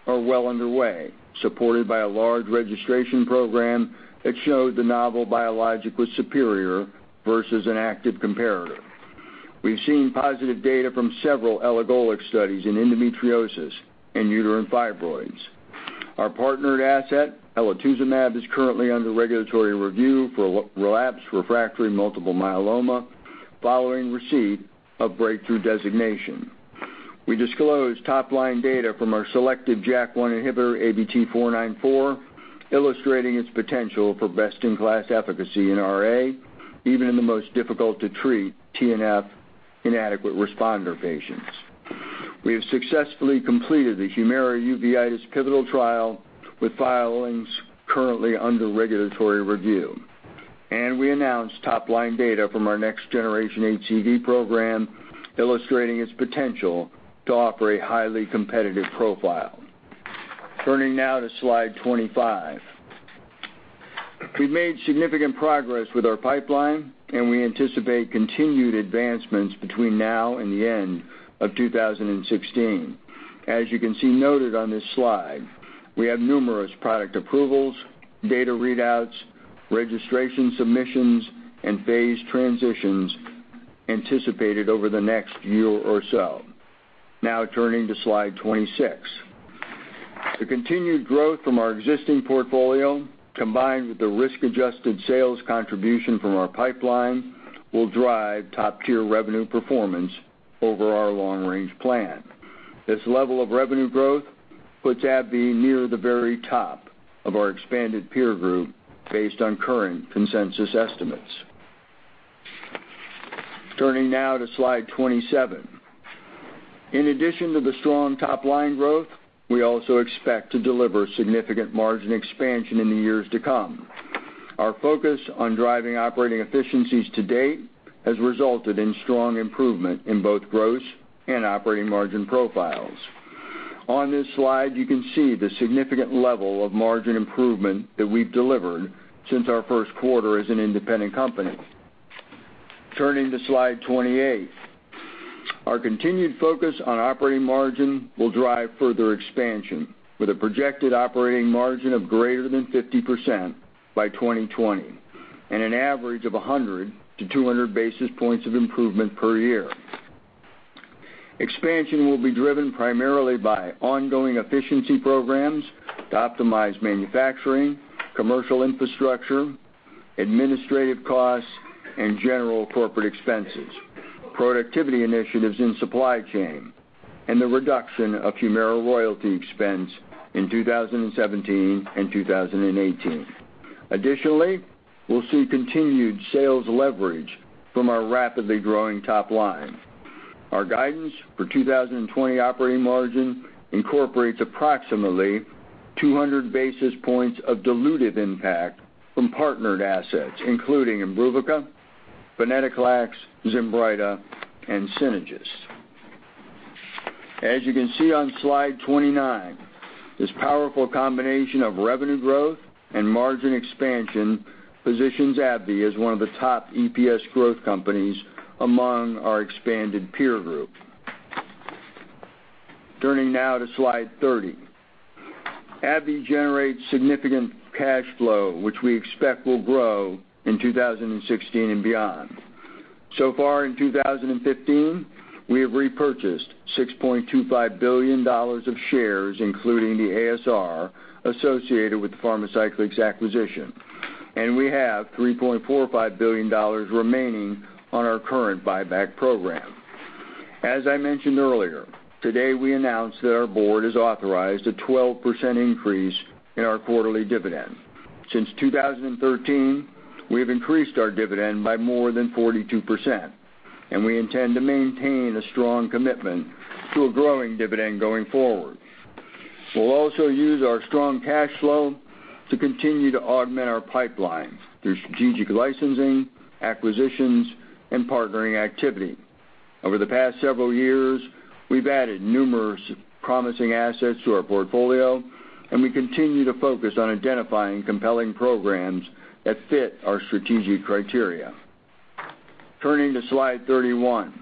are well underway, supported by a large registration program that showed the novel biologic was superior versus an active comparator. We've seen positive data from several elagolix studies in endometriosis and uterine fibroids. Our partnered asset, elotuzumab, is currently under regulatory review for relapsed/refractory multiple myeloma following receipt of breakthrough designation. We disclosed top-line data from our selective JAK1 inhibitor, ABT-494, illustrating its potential for best-in-class efficacy in RA, even in the most difficult-to-treat TNF inadequate responder patients. We have successfully completed the HUMIRA uveitis pivotal trial, with filings currently under regulatory review. We announced top-line data from our next generation HCV program, illustrating its potential to offer a highly competitive profile. Turning now to slide 25. We've made significant progress with our pipeline, and we anticipate continued advancements between now and the end of 2016. As you can see noted on this slide, we have numerous product approvals, data readouts, registration submissions, and phase transitions anticipated over the next year or so. Now turning to slide 26. The continued growth from our existing portfolio, combined with the risk-adjusted sales contribution from our pipeline, will drive top-tier revenue performance over our long-range plan. This level of revenue growth puts AbbVie near the very top of our expanded peer group based on current consensus estimates. Turning now to slide 27. In addition to the strong top-line growth, we also expect to deliver significant margin expansion in the years to come. Our focus on driving operating efficiencies to date has resulted in strong improvement in both gross and operating margin profiles. On this slide, you can see the significant level of margin improvement that we've delivered since our first quarter as an independent company. Turning to slide 28. Our continued focus on operating margin will drive further expansion with a projected operating margin of greater than 50% by 2020, and an average of 100 to 200 basis points of improvement per year. Expansion will be driven primarily by ongoing efficiency programs to optimize manufacturing, commercial infrastructure, administrative costs, and general corporate expenses, productivity initiatives in supply chain, and the reduction of HUMIRA royalty expense in 2017 and 2018. Additionally, we'll see continued sales leverage from our rapidly growing top line. Our guidance for 2020 operating margin incorporates approximately 200 basis points of dilutive impact from partnered assets, including IMBRUVICA, venetoclax, ZINBRYTA, and Synagis. As you can see on slide 29, this powerful combination of revenue growth and margin expansion positions AbbVie as one of the top EPS growth companies among our expanded peer group. Turning now to slide 30. AbbVie generates significant cash flow, which we expect will grow in 2016 and beyond. Far in 2015, we have repurchased $6.25 billion of shares, including the ASR associated with the Pharmacyclics acquisition, and we have $3.45 billion remaining on our current buyback program. As I mentioned earlier, today we announced that our board has authorized a 12% increase in our quarterly dividend. Since 2013, we have increased our dividend by more than 42%, and we intend to maintain a strong commitment to a growing dividend going forward. We'll also use our strong cash flow to continue to augment our pipeline through strategic licensing, acquisitions, and partnering activity. Over the past several years, we've added numerous promising assets to our portfolio, and we continue to focus on identifying compelling programs that fit our strategic criteria. Turning to slide 31.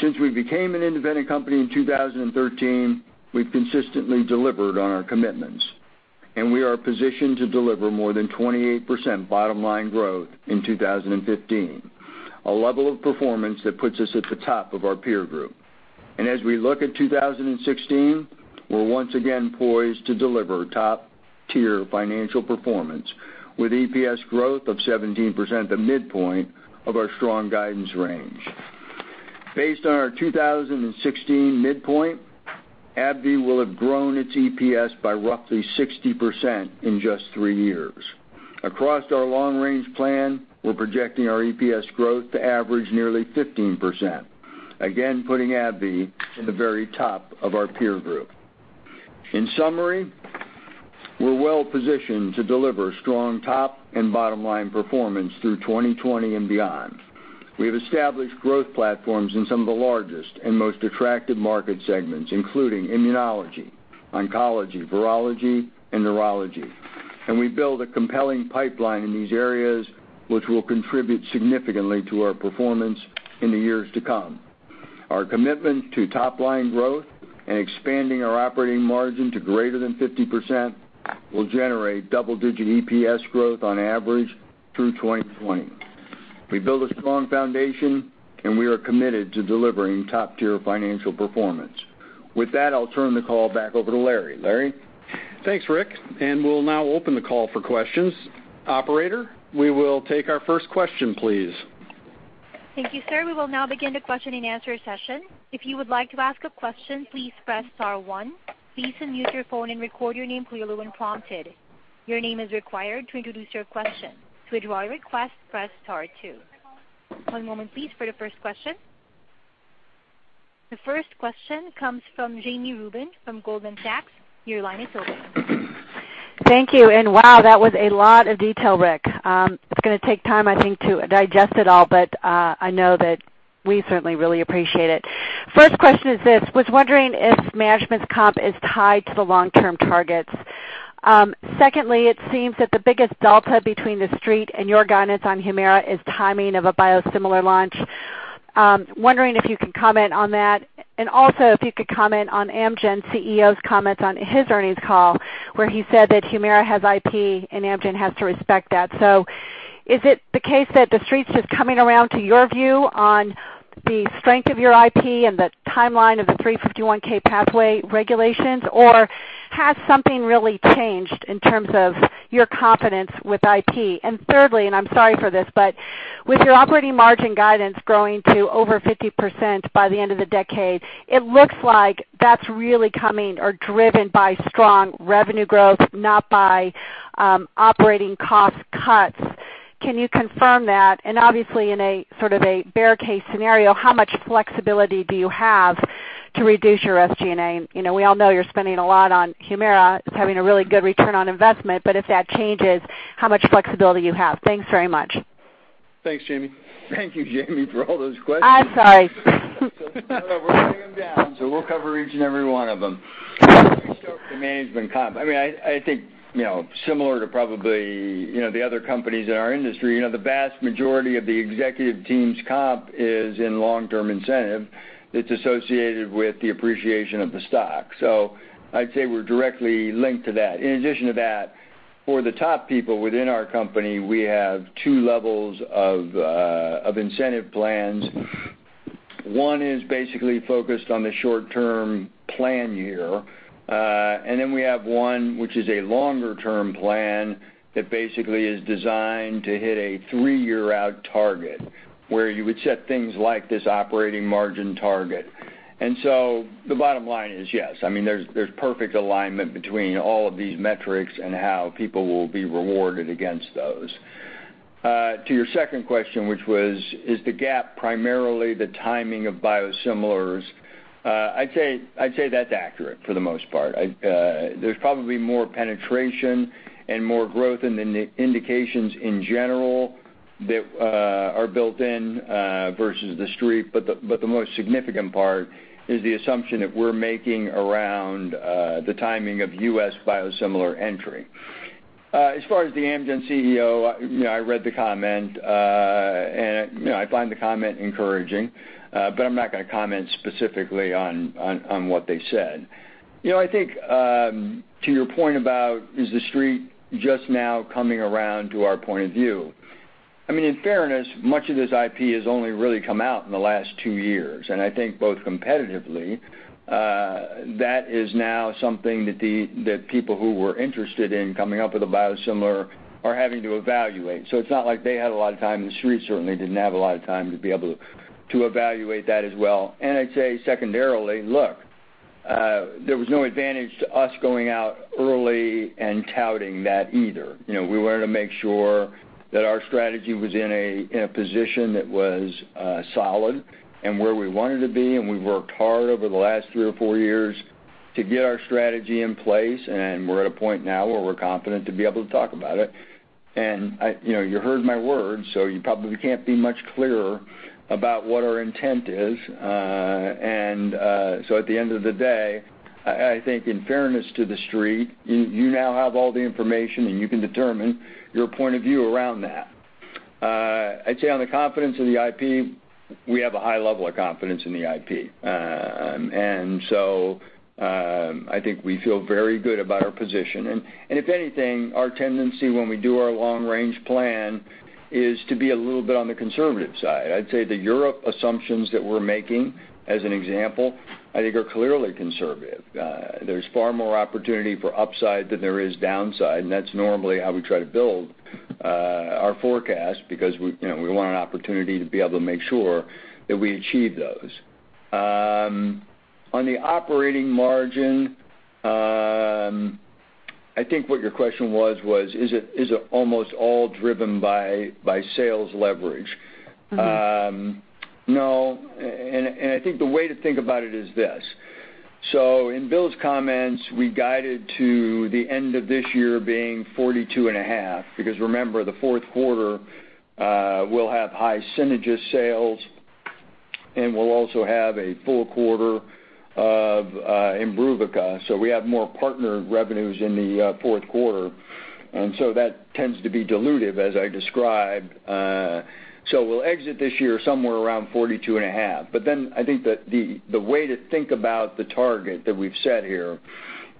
Since we became an independent company in 2013, we've consistently delivered on our commitments, and we are positioned to deliver more than 28% bottom-line growth in 2015, a level of performance that puts us at the top of our peer group. As we look at 2016, we're once again poised to deliver top-tier financial performance with EPS growth of 17%, the midpoint of our strong guidance range. Based on our 2016 midpoint, AbbVie will have grown its EPS by roughly 60% in just three years. Across our long range plan, we're projecting our EPS growth to average nearly 15%, again, putting AbbVie in the very top of our peer group. In summary, we're well positioned to deliver strong top and bottom-line performance through 2020 and beyond. We have established growth platforms in some of the largest and most attractive market segments, including immunology, oncology, virology, and neurology. We built a compelling pipeline in these areas, which will contribute significantly to our performance in the years to come. Our commitment to top-line growth and expanding our operating margin to greater than 50% will generate double-digit EPS growth on average through 2020. We've built a strong foundation, and we are committed to delivering top-tier financial performance. With that, I'll turn the call back over to Larry. Larry? Thanks, Rick. We'll now open the call for questions. Operator, we will take our first question, please. Thank you, sir. We will now begin the question and answer session. If you would like to ask a question, please press star one. Please unmute your phone and record your name clearly when prompted. Your name is required to introduce your question. To withdraw a request, press star two. One moment please, for the first question. The first question comes from Jami Rubin from Goldman Sachs. Your line is open. Thank you. Wow, that was a lot of detail, Rick. It's going to take time, I think, to digest it all, but I know that we certainly really appreciate it. First question is this: Was wondering if management's comp is tied to the long-term targets. Secondly, it seems that the biggest delta between the Street and your guidance on HUMIRA is timing of a biosimilar launch. Wondering if you can comment on that, also if you could comment on Amgen CEO's comments on his earnings call, where he said that HUMIRA has IP and Amgen has to respect that. Is it the case that the Street's just coming around to your view on the strength of your IP and the timeline of the 351 pathway regulations, or has something really changed in terms of your confidence with IP? Thirdly, I'm sorry for this, but with your operating margin guidance growing to over 50% by the end of the decade, it looks like that's really coming or driven by strong revenue growth, not by operating cost cuts. Can you confirm that? Obviously in a sort of a bear case scenario, how much flexibility do you have to reduce your SG&A? We all know you're spending a lot on HUMIRA. It's having a really good return on investment, but if that changes, how much flexibility you have. Thanks very much. Thanks, Jami. Thank you, Jami, for all those questions. I'm sorry. We're writing them down. We'll cover each and every one of them. Let me start with the management comp. I think similar to probably the other companies in our industry, the vast majority of the executive team's comp is in long-term incentive that's associated with the appreciation of the stock. I'd say we're directly linked to that. In addition to that, for the top people within our company, we have 2 levels of incentive plans. One is basically focused on the short-term plan year. We have one which is a longer-term plan that basically is designed to hit a three-year-out target, where you would set things like this operating margin target. The bottom line is, yes, there's perfect alignment between all of these metrics and how people will be rewarded against those. To your second question, which was, is the gap primarily the timing of biosimilars? I'd say that's accurate for the most part. There's probably more penetration and more growth in the indications in general that are built in versus the Street, but the most significant part is the assumption that we're making around the timing of U.S. biosimilar entry. As far as the Amgen CEO, I read the comment. I find the comment encouraging. I'm not going to comment specifically on what they said. I think to your point about is the Street just now coming around to our point of view, in fairness, much of this IP has only really come out in the last two years. I think both competitively, that is now something that people who were interested in coming up with a biosimilar are having to evaluate. It's not like they had a lot of time. The Street certainly didn't have a lot of time to be able to evaluate that as well. I'd say secondarily, look, there was no advantage to us going out early and touting that either. We wanted to make sure that our strategy was in a position that was solid and where we wanted to be. We worked hard over the last three or four years to get our strategy in place. We're at a point now where we're confident to be able to talk about it. You heard my words. You probably can't be much clearer about what our intent is. At the end of the day, I think in fairness to the Street, you now have all the information. You can determine your point of view around that. I'd say on the confidence of the IP, we have a high level of confidence in the IP. I think we feel very good about our position. If anything, our tendency when we do our long range plan is to be a little bit on the conservative side. I'd say the Europe assumptions that we're making, as an example, I think are clearly conservative. There's far more opportunity for upside than there is downside. That's normally how we try to build our forecast because we want an opportunity to be able to make sure that we achieve those. On the operating margin, I think what your question was, is it almost all driven by sales leverage? No, I think the way to think about it is this. In Bill's comments, we guided to the end of this year being $42.5, because remember, the fourth quarter will have high Synagis sales, and we will also have a full quarter of IMBRUVICA. We have more partner revenues in the fourth quarter. That tends to be dilutive as I described. We will exit this year somewhere around $42.5. I think that the way to think about the target that we have set here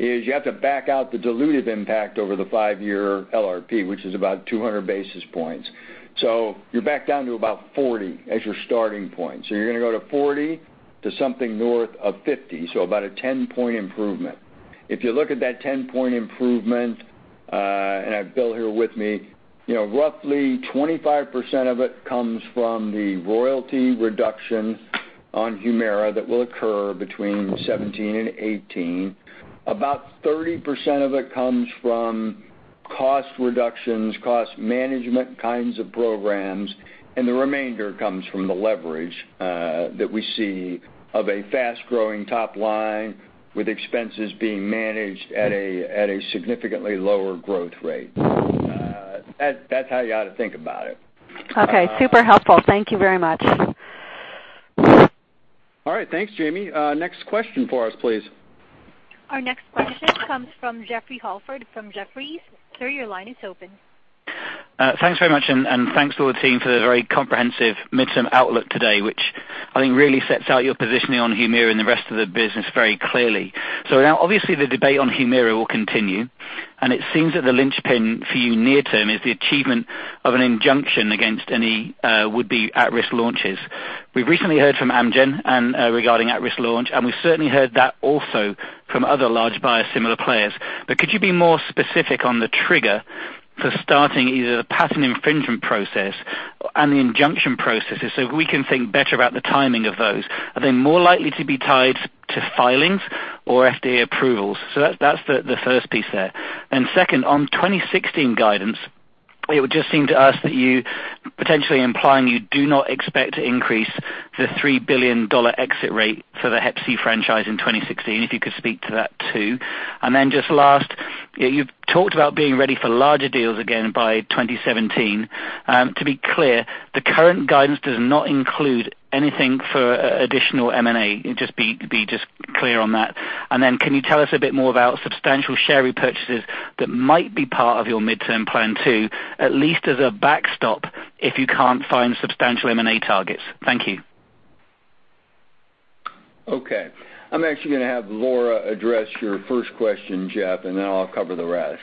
is you have to back out the dilutive impact over the five-year LRP, which is about 200 basis points. You are back down to about $40 as your starting point. You are going to go to $40 to something north of $50, about a 10-point improvement. If you look at that 10-point improvement, and I have Bill here with me, roughly 25% of it comes from the royalty reduction on HUMIRA that will occur between 2017 and 2018. About 30% of it comes from cost reductions, cost management kinds of programs, and the remainder comes from the leverage that we see of a fast-growing top line with expenses being managed at a significantly lower growth rate. That is how you ought to think about it. Okay. Super helpful. Thank you very much. All right. Thanks, Jami. Next question for us, please. Our next question comes from Jeffrey Holford from Jefferies. Sir, your line is open. Thanks very much, and thanks to the team for the very comprehensive midterm outlook today, which I think really sets out your positioning on HUMIRA and the rest of the business very clearly. Now obviously the debate on HUMIRA will continue, and it seems that the linchpin for you near term is the achievement of an injunction against any would-be at-risk launches. We've recently heard from Amgen regarding at-risk launch, and we've certainly heard that also from other large biosimilar players. Could you be more specific on the trigger for starting either the patent infringement process and the injunction processes so we can think better about the timing of those? Are they more likely to be tied to filings or FDA approvals? That's the first piece there. Second, on 2016 guidance, it would just seem to us that you potentially implying you do not expect to increase the $3 billion exit rate for the Hep C franchise in 2016, if you could speak to that, too. Just last, you've talked about being ready for larger deals again by 2017. To be clear, the current guidance does not include anything for additional M&A. Be just clear on that. Can you tell us a bit more about substantial share repurchases that might be part of your midterm plan, too, at least as a backstop if you can't find substantial M&A targets? Thank you. Okay. I'm actually going to have Laura address your first question, Jeff, and then I'll cover the rest.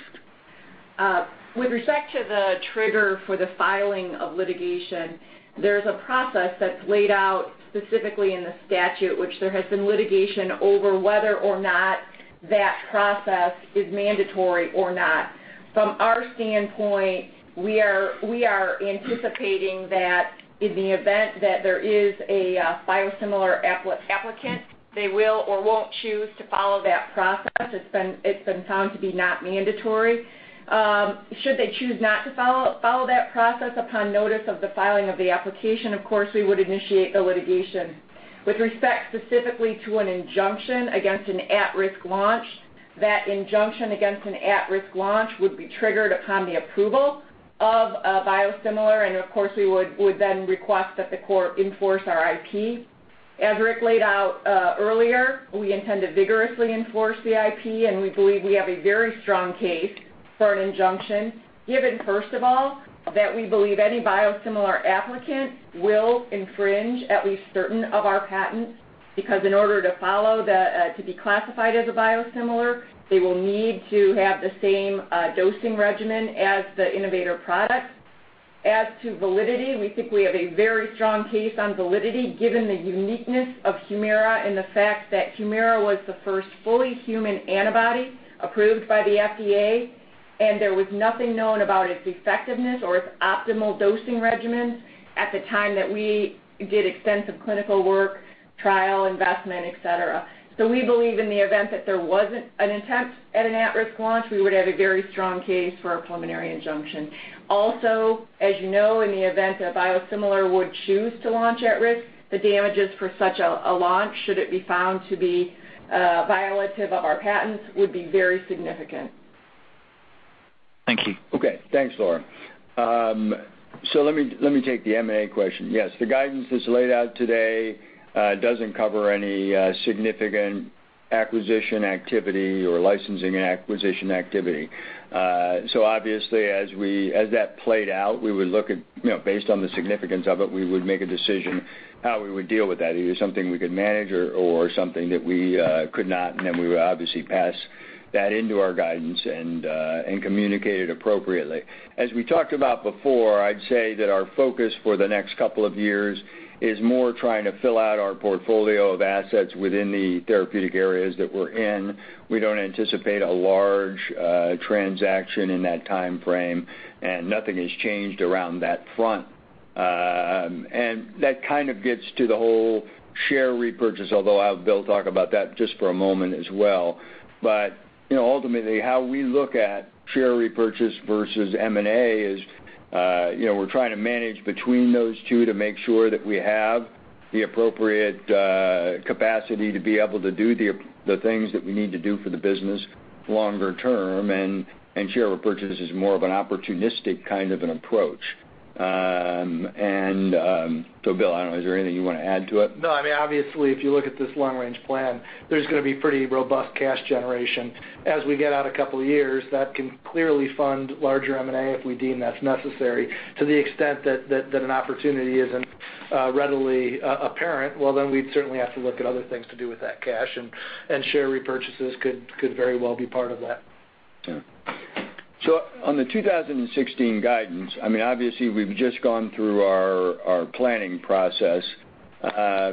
With respect to the trigger for the filing of litigation, there's a process that's laid out specifically in the statute, which there has been litigation over whether or not that process is mandatory or not. From our standpoint, we are anticipating that in the event that there is a biosimilar applicant, they will or won't choose to follow that process. It's been found to be not mandatory. Should they choose not to follow that process upon notice of the filing of the application, of course, we would initiate the litigation. With respect specifically to an injunction against an at-risk launch, that injunction against an at-risk launch would be triggered upon the approval of a biosimilar, and of course, we would then request that the court enforce our IP. As Rick laid out earlier, we intend to vigorously enforce the IP, and we believe we have a very strong case for an injunction, given first of all, that we believe any biosimilar applicant will infringe at least certain of our patents, because in order to be classified as a biosimilar, they will need to have the same dosing regimen as the innovator product. As to validity, we think we have a very strong case on validity given the uniqueness of HUMIRA and the fact that HUMIRA was the first fully human antibody approved by the FDA, and there was nothing known about its effectiveness or its optimal dosing regimens at the time that we did extensive clinical work, trial investment, et cetera. We believe in the event that there wasn't an attempt at an at-risk launch, we would have a very strong case for a preliminary injunction. Also, as you know, in the event a biosimilar would choose to launch at risk, the damages for such a launch, should it be found to be violative of our patents, would be very significant. Thank you. Okay. Thanks, Laura. Let me take the M&A question. Yes, the guidance that's laid out today doesn't cover any significant acquisition activity or licensing acquisition activity. Obviously, as that played out, based on the significance of it, we would make a decision how we would deal with that, either something we could manage or something that we could not, and then we would obviously pass that into our guidance and communicate it appropriately. As we talked about before, I'd say that our focus for the next couple of years is more trying to fill out our portfolio of assets within the therapeutic areas that we're in. We don't anticipate a large transaction in that time frame, and nothing has changed around that front. That kind of gets to the whole share repurchase, although I'll have Bill talk about that just for a moment as well. Ultimately, how we look at share repurchase versus M&A is we're trying to manage between those two to make sure that we have the appropriate capacity to be able to do the things that we need to do for the business longer term, and share repurchase is more of an opportunistic kind of an approach. Bill, I don't know, is there anything you want to add to it? No, obviously, if you look at this long-range plan, there's going to be pretty robust cash generation. As we get out a couple of years, that can clearly fund larger M&A if we deem that's necessary. To the extent that an opportunity isn't readily apparent, well, then we'd certainly have to look at other things to do with that cash, and share repurchases could very well be part of that. On the 2016 guidance, obviously, we've just gone through our planning process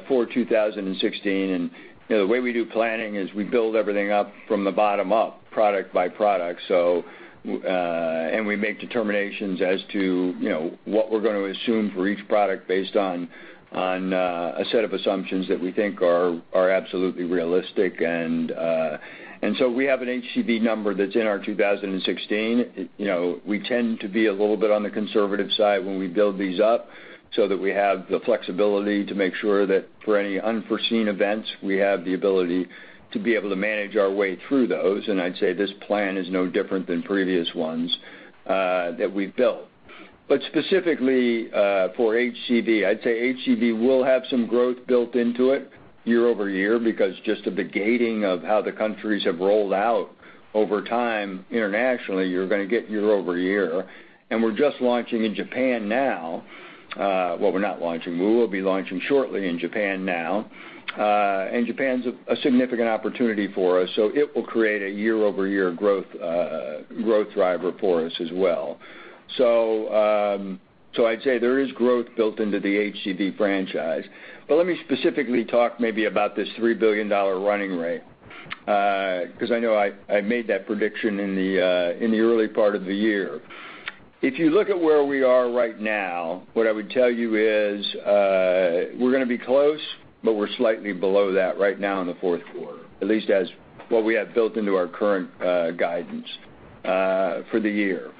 for 2016, the way we do planning is we build everything up from the bottom up, product by product. We make determinations as to what we're going to assume for each product based on a set of assumptions that we think are absolutely realistic. We have an HCV number that's in our 2016. We tend to be a little bit on the conservative side when we build these up so that we have the flexibility to make sure that for any unforeseen events, we have the ability to be able to manage our way through those. I'd say this plan is no different than previous ones that we've built. Specifically for HCV, I'd say HCV will have some growth built into it year-over-year because just of the gating of how the countries have rolled out over time internationally, you're going to get year-over-year. We're just launching in Japan now. Well, we're not launching. We will be launching shortly in Japan now. Japan's a significant opportunity for us, so it will create a year-over-year growth driver for us as well. I'd say there is growth built into the HCV franchise. Let me specifically talk maybe about this $3 billion running rate, because I know I made that prediction in the early part of the year. If you look at where we are right now, what I would tell you is we're going to be close, but we're slightly below that right now in the fourth quarter, at least as what we have built into our current guidance for the year.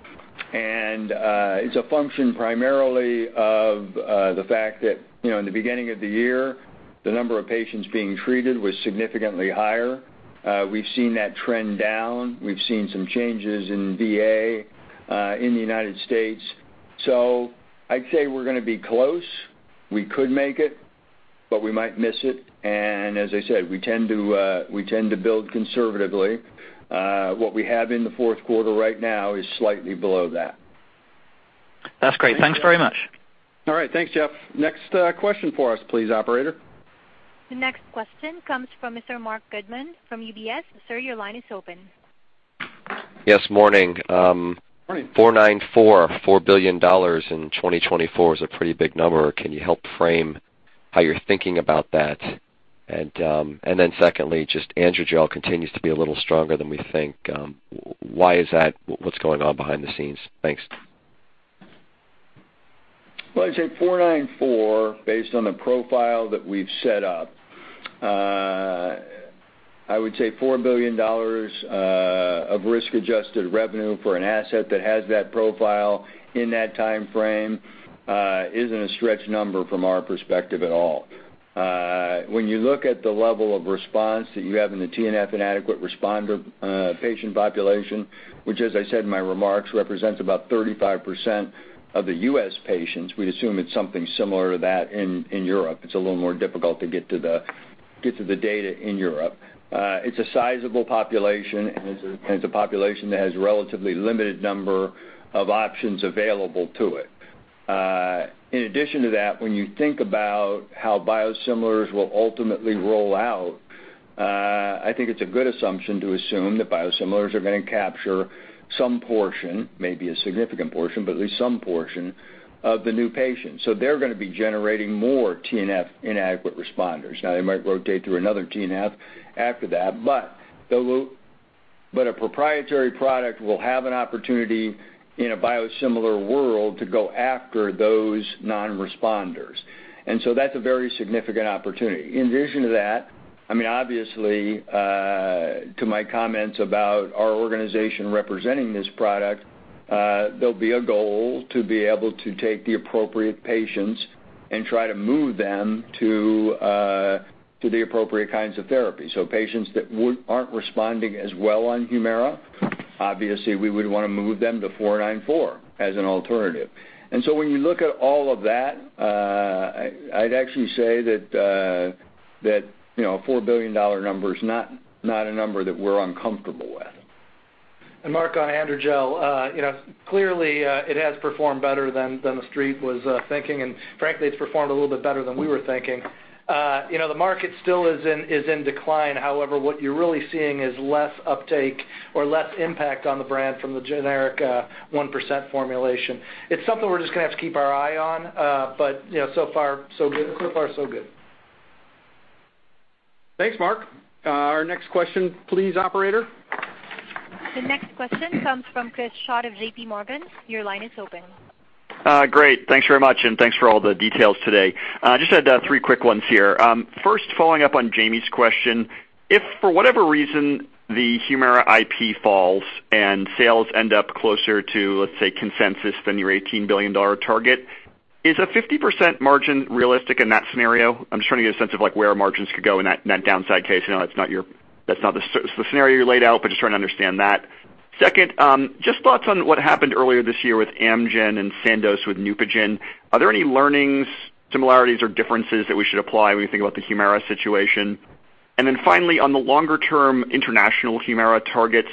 It's a function primarily of the fact that in the beginning of the year, the number of patients being treated was significantly higher. We've seen that trend down. We've seen some changes in VA in the U.S. So I'd say we're going to be close. We could make it, but we might miss it. As I said, we tend to build conservatively. What we have in the fourth quarter right now is slightly below that. That's great. Thanks very much. All right. Thanks, Jeff. Next question for us please, operator. The next question comes from Mr. Mark Goodman from UBS. Sir, your line is open. Yes, morning. Morning. 494, $4 billion in 2024 is a pretty big number. Can you help frame how you're thinking about that? Secondly, just AndroGel continues to be a little stronger than we think. Why is that? What's going on behind the scenes? Thanks. Well, I'd say 494, based on the profile that we've set up, I would say $4 billion of risk-adjusted revenue for an asset that has that profile in that timeframe isn't a stretched number from our perspective at all. When you look at the level of response that you have in the TNF inadequate responder patient population, which as I said in my remarks, represents about 35% of the U.S. patients, we assume it's something similar to that in Europe. It's a little more difficult to get to the data in Europe. It's a sizable population, and it's a population that has a relatively limited number of options available to it. In addition to that, when you think about how biosimilars will ultimately roll out, I think it's a good assumption to assume that biosimilars are going to capture some portion, maybe a significant portion, but at least some portion of the new patients. They're going to be generating more TNF inadequate responders. Now, they might rotate to another TNF after that. A proprietary product will have an opportunity in a biosimilar world to go after those non-responders. That's a very significant opportunity. In addition to that, obviously, to my comments about our organization representing this product, there'll be a goal to be able to take the appropriate patients and try to move them to the appropriate kinds of therapy. Patients that aren't responding as well on HUMIRA, obviously, we would want to move them to 494 as an alternative. When you look at all of that, I'd actually say that a $4 billion number is not a number that we're uncomfortable with. Mark, on AndroGel, clearly it has performed better than the Street was thinking, and frankly, it's performed a little bit better than we were thinking. The market still is in decline. However, what you're really seeing is less uptake or less impact on the brand from the generic 1% formulation. It's something we're just going to have to keep our eye on. So far so good. Thanks, Mark. Our next question, please, operator. The next question comes from Chris Schott of J.P. Morgan. Your line is open. Great. Thanks very much, and thanks for all the details today. Just had three quick ones here. First, following up on Jami's question, if for whatever reason the HUMIRA IP falls and sales end up closer to, let's say, consensus than your $18 billion target, is a 50% margin realistic in that scenario? I'm just trying to get a sense of where margins could go in that downside case. I know that's not the scenario you laid out, but just trying to understand that. Second, just thoughts on what happened earlier this year with Amgen and Sandoz with NEUPOGEN. Are there any learnings, similarities, or differences that we should apply when we think about the HUMIRA situation? Finally, on the longer-term international HUMIRA targets,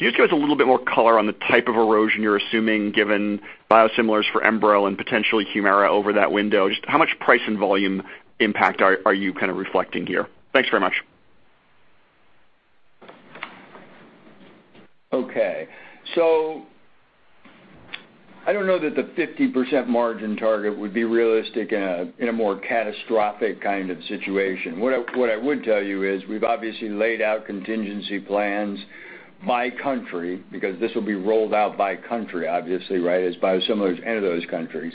can you just give us a little bit more color on the type of erosion you're assuming given biosimilars for ENBREL and potentially HUMIRA over that window? Just how much price and volume impact are you reflecting here? Thanks very much. Okay. I don't know that the 50% margin target would be realistic in a more catastrophic kind of situation. What I would tell you is we've obviously laid out contingency plans by country, because this will be rolled out by country, obviously, right? As biosimilars enter those countries.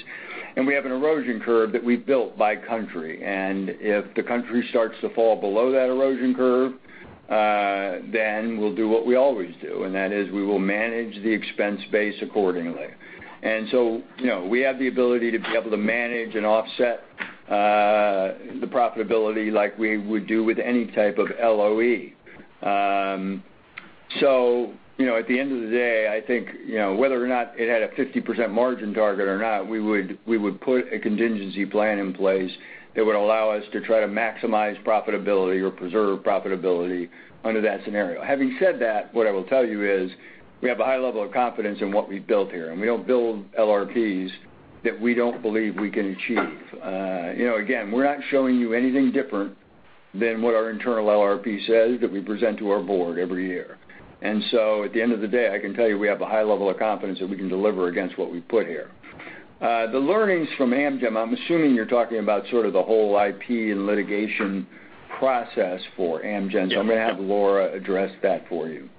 We have an erosion curve that we've built by country. If the country starts to fall below that erosion curve, we'll do what we always do, that is we will manage the expense base accordingly. We have the ability to be able to manage and offset the profitability like we would do with any type of LOE. At the end of the day, I think, whether or not it had a 50% margin target or not, we would put a contingency plan in place that would allow us to try to maximize profitability or preserve profitability under that scenario. Having said that, what I will tell you is we have a high level of confidence in what we've built here, and we don't build LRPs that we don't believe we can achieve. Again, we're not showing you anything different than what our internal LRP says that we present to our board every year. At the end of the day, I can tell you we have a high level of confidence that we can deliver against what we've put here. The learnings from Amgen, I'm assuming you're talking about sort of the whole IP and litigation process for Amgen. I'm going to have Laura address that for you.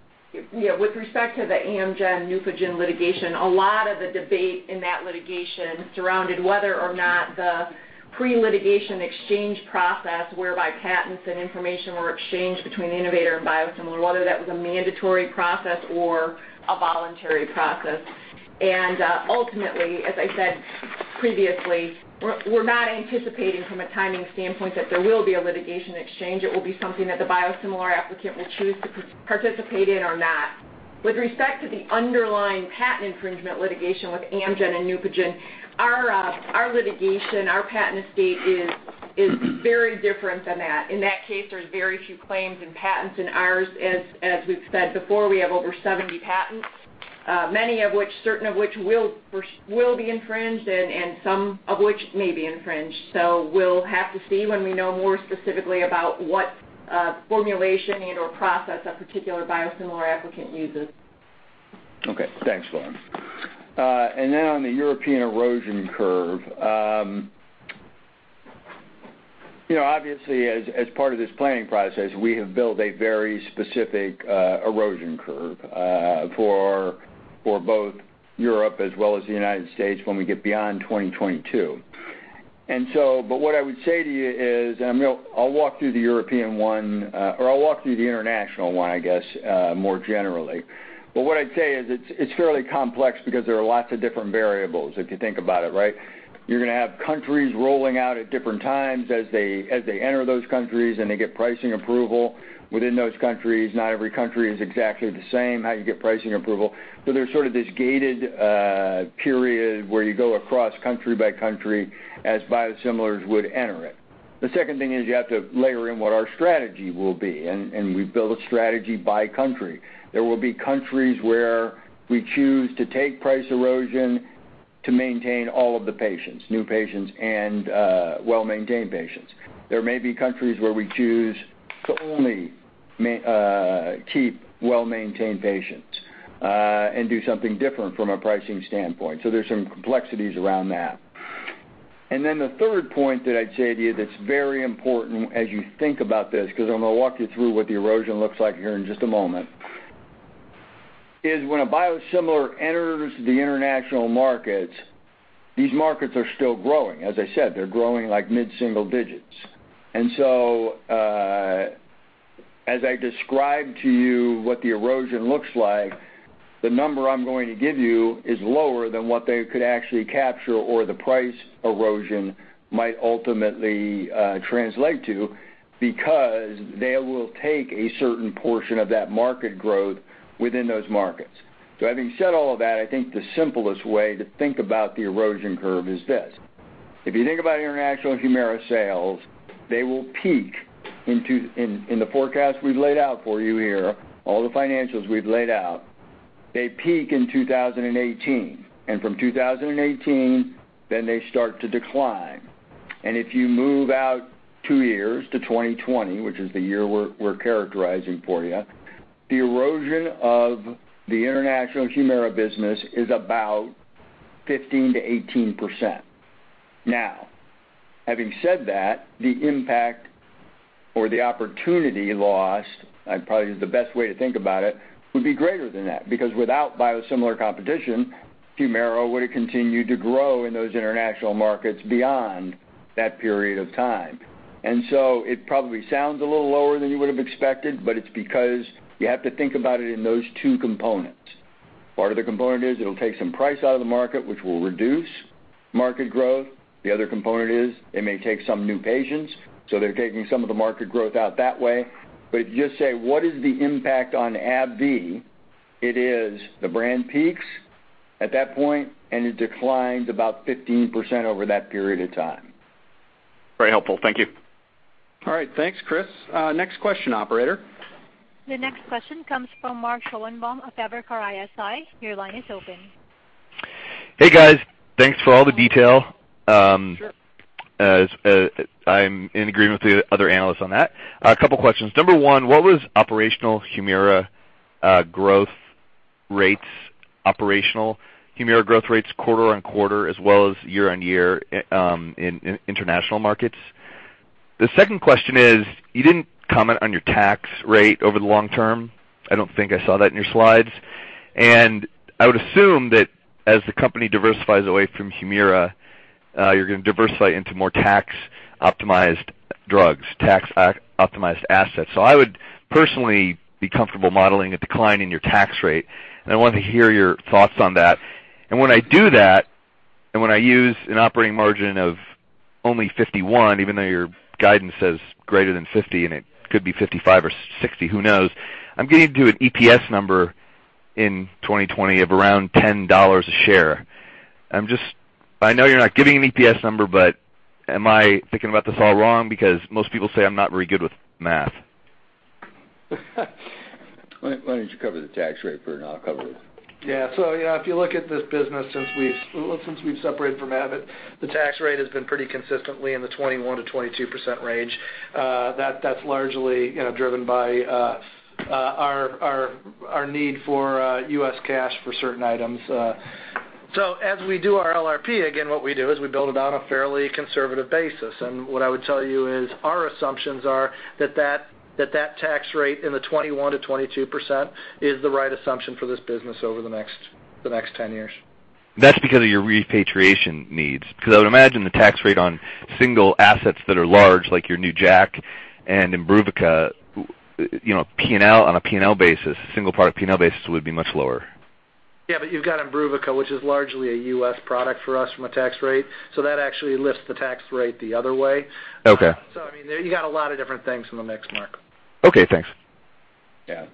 Yeah, with respect to the Amgen NEUPOGEN litigation, a lot of the debate in that litigation surrounded whether or not the pre-litigation exchange process whereby patents and information were exchanged between the innovator and biosimilar, whether that was a mandatory process or a voluntary process. Ultimately, as I said previously, we're not anticipating from a timing standpoint that there will be a litigation exchange. It will be something that the biosimilar applicant will choose to participate in or not. With respect to the underlying patent infringement litigation with Amgen and NEUPOGEN, our litigation, our patent estate is very different than that. In that case, there's very few claims and patents. In ours, as we've said before, we have over 70 patents, many of which, certain of which will be infringed, and some of which may be infringed. We'll have to see when we know more specifically about what formulation and/or process a particular biosimilar applicant uses. Okay. Thanks, Laura. On the European erosion curve. Obviously, as part of this planning process, we have built a very specific erosion curve for both Europe as well as the U.S. when we get beyond 2022. What I would say to you is, I'll walk through the European one, or I'll walk through the international one, I guess, more generally. What I'd say is it's fairly complex because there are lots of different variables, if you think about it, right? You're going to have countries rolling out at different times as they enter those countries, and they get pricing approval within those countries. Not every country is exactly the same, how you get pricing approval. There's sort of this gated period where you go across country by country as biosimilars would enter it. The second thing is you have to layer in what our strategy will be. We've built a strategy by country. There will be countries where we choose to take price erosion to maintain all of the patients, new patients and well-maintained patients. There may be countries where we choose to only keep well-maintained patients, and do something different from a pricing standpoint. There's some complexities around that. The third point that I'd say to you that's very important as you think about this, because I'm going to walk you through what the erosion looks like here in just a moment, is when a biosimilar enters the international markets, these markets are still growing. As I said, they're growing like mid-single digits. As I describe to you what the erosion looks like, the number I'm going to give you is lower than what they could actually capture or the price erosion might ultimately translate to, because they will take a certain portion of that market growth within those markets. Having said all of that, I think the simplest way to think about the erosion curve is this. If you think about international HUMIRA sales, they will peak in the forecast we've laid out for you here, all the financials we've laid out. They peak in 2018. From 2018, then they start to decline. If you move out two years to 2020, which is the year we're characterizing for you, the erosion of the international HUMIRA business is about 15%-18%. Now, having said that, the impact or the opportunity lost, probably is the best way to think about it, would be greater than that, because without biosimilar competition, HUMIRA would have continued to grow in those international markets beyond that period of time. It probably sounds a little lower than you would have expected. It's because you have to think about it in those two components. Part of the component is it'll take some price out of the market, which will reduce market growth. The other component is it may take some new patients. They're taking some of the market growth out that way. Just say, what is the impact on AbbVie? It is the brand peaks at that point. It declines about 15% over that period of time. Very helpful. Thank you. All right. Thanks, Chris. Next question, operator. The next question comes from Mark Schoenebaum of Evercore ISI. Your line is open. Hey, guys. Thanks for all the detail. Sure. I'm in agreement with the other analysts on that. A couple questions. Number one, what was operational HUMIRA growth rates quarter-on-quarter, as well as year-on-year in international markets? The second question is, you didn't comment on your tax rate over the long term. I don't think I saw that in your slides. I would assume that as the company diversifies away from HUMIRA, you're going to diversify into more tax-optimized drugs, tax-optimized assets. I would personally be comfortable modeling a decline in your tax rate, and I wanted to hear your thoughts on that. When I do that, and when I use an operating margin of only 51, even though your guidance says greater than 50, and it could be 55 or 60, who knows? I'm getting to an EPS number in 2020 of around $10 a share. I know you're not giving an EPS number, am I thinking about this all wrong? Most people say I'm not very good with math. Why don't you cover the tax rate for now, I'll cover the- If you look at this business since we've separated from Abbott, the tax rate has been pretty consistently in the 21%-22% range. That's largely driven by our need for U.S. cash for certain items. As we do our LRP, again, what we do is we build it on a fairly conservative basis. What I would tell you is, our assumptions are that that tax rate in the 21%-22% is the right assumption for this business over the next 10 years. I would imagine the tax rate on single assets that are large, like your new JAK and IMBRUVICA, on a P&L basis, single product P&L basis, would be much lower. You've got IMBRUVICA, which is largely a U.S. product for us from a tax rate. That actually lifts the tax rate the other way. Okay. You got a lot of different things in the mix, Mark. Okay, thanks. Yeah.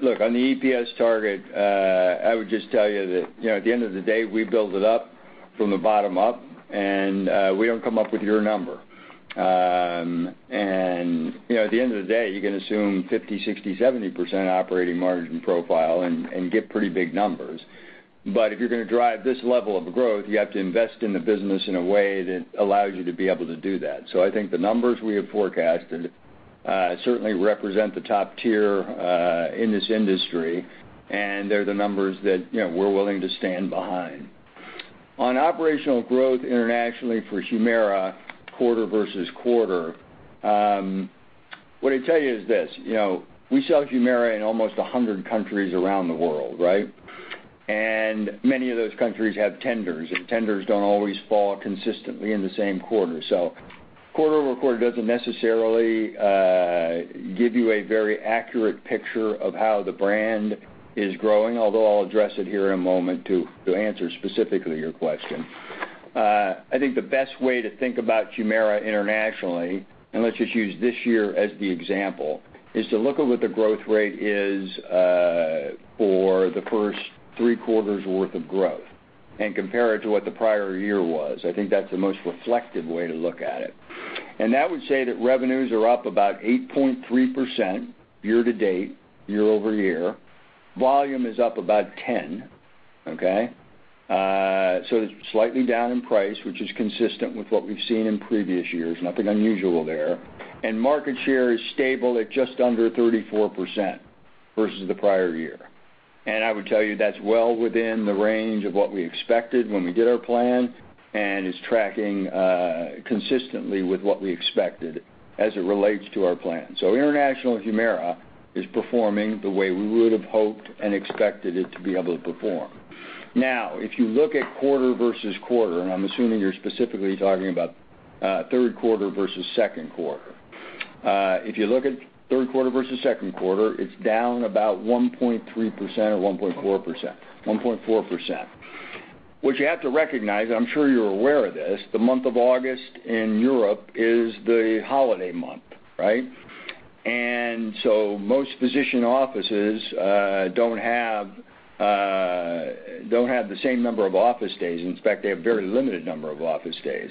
Look, on the EPS target, I would just tell you that at the end of the day, we build it up from the bottom up, and we don't come up with your number. At the end of the day, you can assume 50%, 60%, 70% operating margin profile and get pretty big numbers. If you're going to drive this level of growth, you have to invest in the business in a way that allows you to be able to do that. I think the numbers we have forecasted certainly represent the top tier in this industry, and they're the numbers that we're willing to stand behind. On operational growth internationally for HUMIRA, quarter-versus-quarter, what I'd tell you is this. We sell HUMIRA in almost 100 countries around the world, right? Many of those countries have tenders, and tenders don't always fall consistently in the same quarter. Quarter-over-quarter doesn't necessarily give you a very accurate picture of how the brand is growing, although I'll address it here in a moment to answer specifically your question. I think the best way to think about HUMIRA internationally, and let's just use this year as the example, is to look at what the growth rate is for the first three quarters worth of growth and compare it to what the prior year was. I think that's the most reflective way to look at it. That would say that revenues are up about 8.3% year-to-date, year-over-year. Volume is up about 10. Okay? It's slightly down in price, which is consistent with what we've seen in previous years. Nothing unusual there. Market share is stable at just under 34% versus the prior year. I would tell you that's well within the range of what we expected when we did our plan, and is tracking consistently with what we expected as it relates to our plan. International HUMIRA is performing the way we would've hoped and expected it to be able to perform. Now, if you look at quarter-versus-quarter, and I'm assuming you're specifically talking about third quarter versus second quarter. If you look at third quarter versus second quarter, it's down about 1.3% or 1.4%. 1.4. 1.4%. What you have to recognize, I'm sure you're aware of this, the month of August in Europe is the holiday month, right? Most physician offices don't have the same number of office days. In fact, they have very limited number of office days.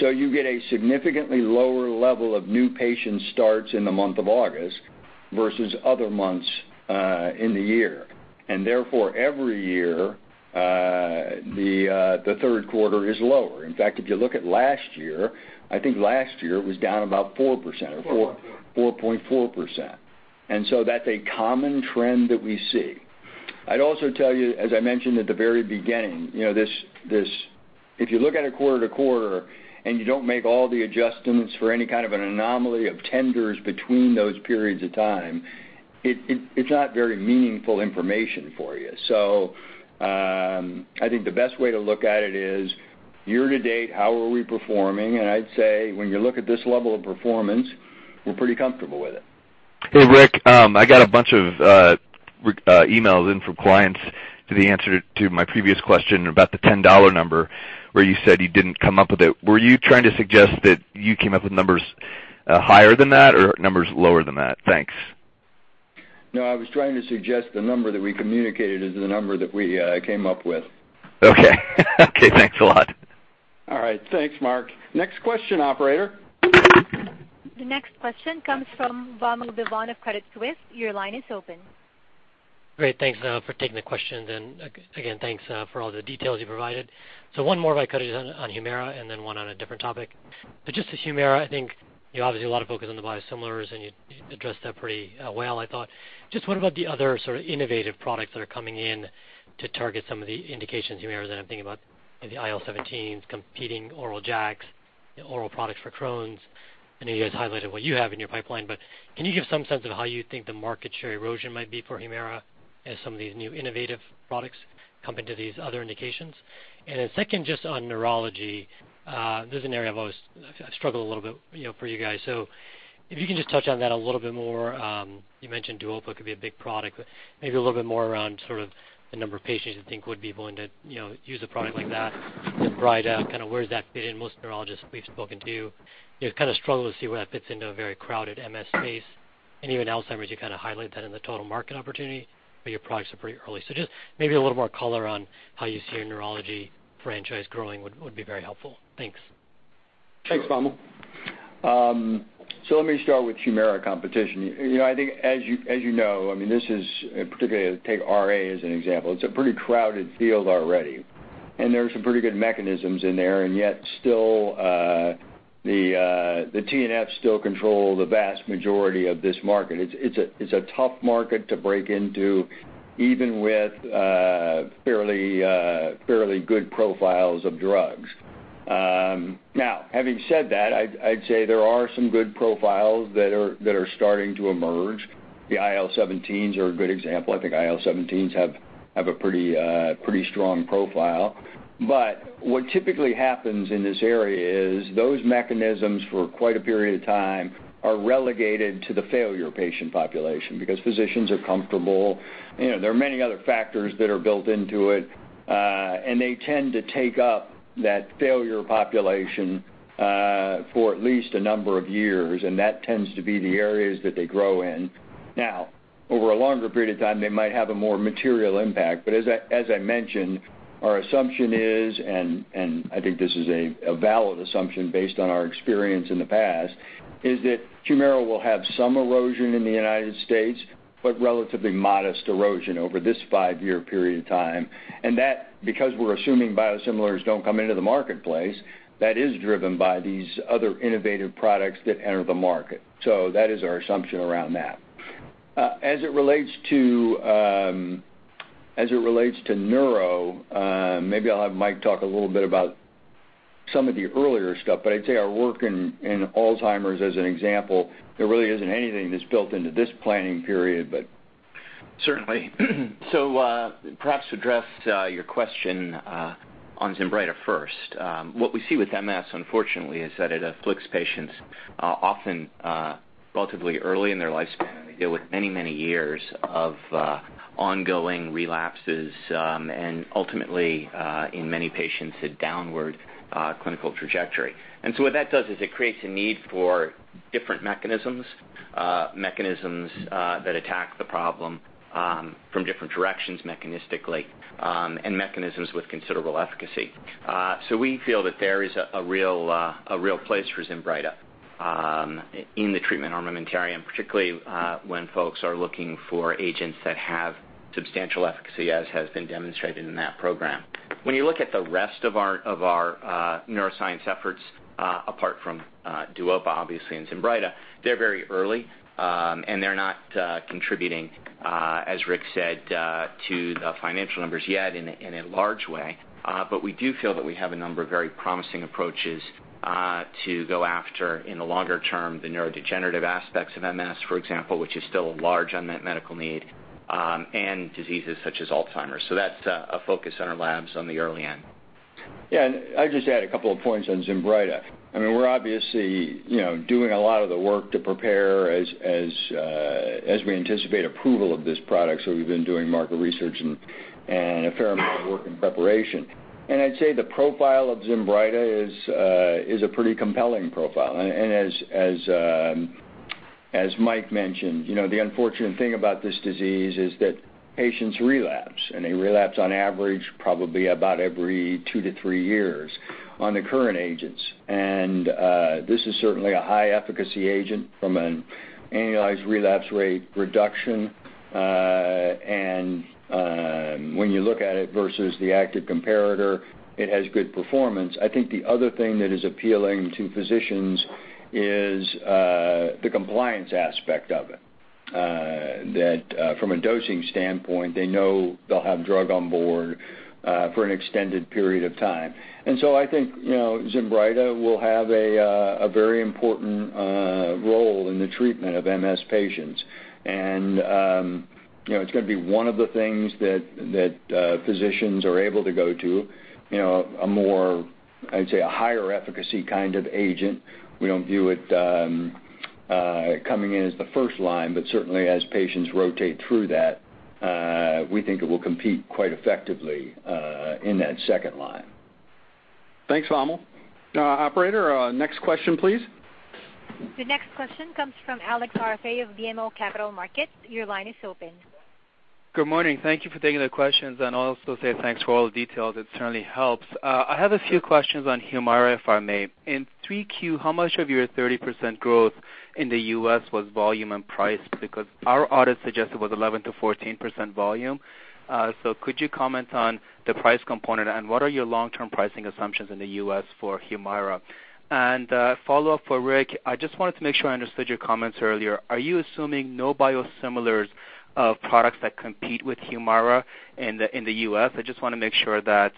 You get a significantly lower level of new patient starts in the month of August versus other months in the year. Therefore, every year, the third quarter is lower. In fact, if you look at last year, I think last year was down about 4%. 4.4. That's a common trend that we see. I'd also tell you, as I mentioned at the very beginning, if you look at it quarter to quarter and you don't make all the adjustments for any kind of an anomaly of tenders between those periods of time, it's not very meaningful information for you. I think the best way to look at it is Year-to-date, how are we performing? I'd say when you look at this level of performance, we're pretty comfortable with it. Hey, Rick, I got a bunch of emails in from clients to the answer to my previous question about the $10 number where you said you didn't come up with it. Were you trying to suggest that you came up with numbers higher than that or numbers lower than that? Thanks. No, I was trying to suggest the number that we communicated is the number that we came up with. Okay. Thanks a lot. All right. Thanks, Mark. Next question, operator. The next question comes from Vamil Divan of Credit Suisse. Your line is open. Great. Thanks for taking the question. Again, thanks for all the details you provided. One more of I could just on HUMIRA and then one on a different topic. Just the HUMIRA, I think you obviously a lot of focus on the biosimilars and you addressed that pretty well, I thought. Just what about the other sort of innovative products that are coming in to target some of the indications, HUMIRA, that I'm thinking about maybe IL-17 competing oral JAKs, oral products for Crohn's? I know you guys highlighted what you have in your pipeline, can you give some sense of how you think the market share erosion might be for HUMIRA as some of these new innovative products come into these other indications? Second, just on neurology, this is an area I've always struggled a little bit for you guys. If you can just touch on that a little bit more. You mentioned DUOPA could be a big product, maybe a little bit more around sort of the number of patients you think would be willing to use a product like that. With ZINBRYTA, kind of where does that fit in? Most neurologists we've spoken to kind of struggle to see where that fits into a very crowded MS space. Even Alzheimer's, you kind of highlight that in the total market opportunity, your products are pretty early. Just maybe a little more color on how you see your neurology franchise growing would be very helpful. Thanks. Thanks, Vamil. Let me start with HUMIRA competition. As you know, particularly take RA as an example, it's a pretty crowded field already, there are some pretty good mechanisms in there, the TNF still control the vast majority of this market. It's a tough market to break into, even with fairly good profiles of drugs. Having said that, there are some good profiles that are starting to emerge. The IL-17s are a good example. IL-17s have a pretty strong profile. What typically happens in this area is those mechanisms for quite a period of time are relegated to the failure patient population because physicians are comfortable. There are many other factors that are built into it, they tend to take up that failure population for at least a number of years, that tends to be the areas that they grow in. Over a longer period of time, they might have a more material impact. As I mentioned, our assumption is that HUMIRA will have some erosion in the U.S., but relatively modest erosion over this 5-year period of time. That, because we're assuming biosimilars don't come into the marketplace, that is driven by these other innovative products that enter the market. That is our assumption around that. As it relates to neuro, maybe I'll have Mike talk a little bit about some of the earlier stuff, our work in Alzheimer's as an example, there really isn't anything that's built into this planning period. Certainly. Perhaps to address your question on ZINBRYTA first. What we see with MS, unfortunately, is that it afflicts patients often relatively early in their lifespan, they deal with many, many years of ongoing relapses, in many patients, a downward clinical trajectory. What that does is it creates a need for different mechanisms that attack the problem from different directions mechanistically, mechanisms with considerable efficacy. We feel that there is a real place for ZINBRYTA in the treatment armamentarium, particularly when folks are looking for agents that have substantial efficacy, as has been demonstrated in that program. When you look at the rest of our neuroscience efforts, apart from DUOPA, obviously, ZINBRYTA, they're very early, they're not contributing, as Rick said, to the financial numbers yet in a large way. We do feel that we have a number of very promising approaches to go after, in the longer term, the neurodegenerative aspects of MS, for example, which is still a large unmet medical need, and diseases such as Alzheimer's. That's a focus on our labs on the early end. Yeah, I'd just add a couple of points on ZINBRYTA. We're obviously doing a lot of the work to prepare as we anticipate approval of this product. We've been doing market research and a fair amount of work in preparation. I'd say the profile of ZINBRYTA is a pretty compelling profile. As Mike mentioned, the unfortunate thing about this disease is that patients relapse, and they relapse on average probably about every two to three years on the current agents. This is certainly a high-efficacy agent from an annualized relapse rate reduction. When you look at it versus the active comparator, it has good performance. I think the other thing that is appealing to physicians is the compliance aspect of it, that from a dosing standpoint, they know they'll have drug on board for an extended period of time. I think ZINBRYTA will have a very important role in the treatment of MS patients. It's going to be one of the things that physicians are able to go to, a more, I'd say, a higher efficacy kind of agent. We don't view it coming in as the first line, but certainly as patients rotate through that, we think it will compete quite effectively in that second line. Thanks, Vamil. Operator, next question, please. The next question comes from Alex Arfaei of BMO Capital Markets. Your line is open. Good morning. Thank you for taking the questions, and also say thanks for all the details. It certainly helps. I have a few questions on HUMIRA, if I may. In 3Q, how much of your 30% growth in the U.S. was volume and price? Because our audit suggests it was 11%-14% volume. Could you comment on the price component, and what are your long-term pricing assumptions in the U.S. for HUMIRA? A follow-up for Rick, I just wanted to make sure I understood your comments earlier. Are you assuming no biosimilars of products that compete with HUMIRA in the U.S.? I just want to make sure that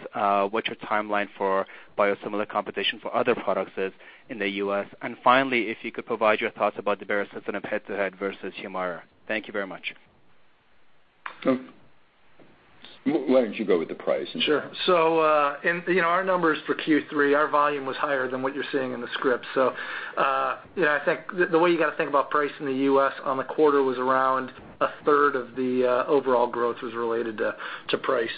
what your timeline for biosimilar competition for other products is in the U.S. And finally, if you could provide your thoughts about the baricitinib head-to-head versus HUMIRA. Thank you very much. Why don't you go with the price. Sure. In our numbers for Q3, our volume was higher than what you're seeing in the script. I think the way you got to think about price in the U.S. on the quarter was around a third of the overall growth was related to price.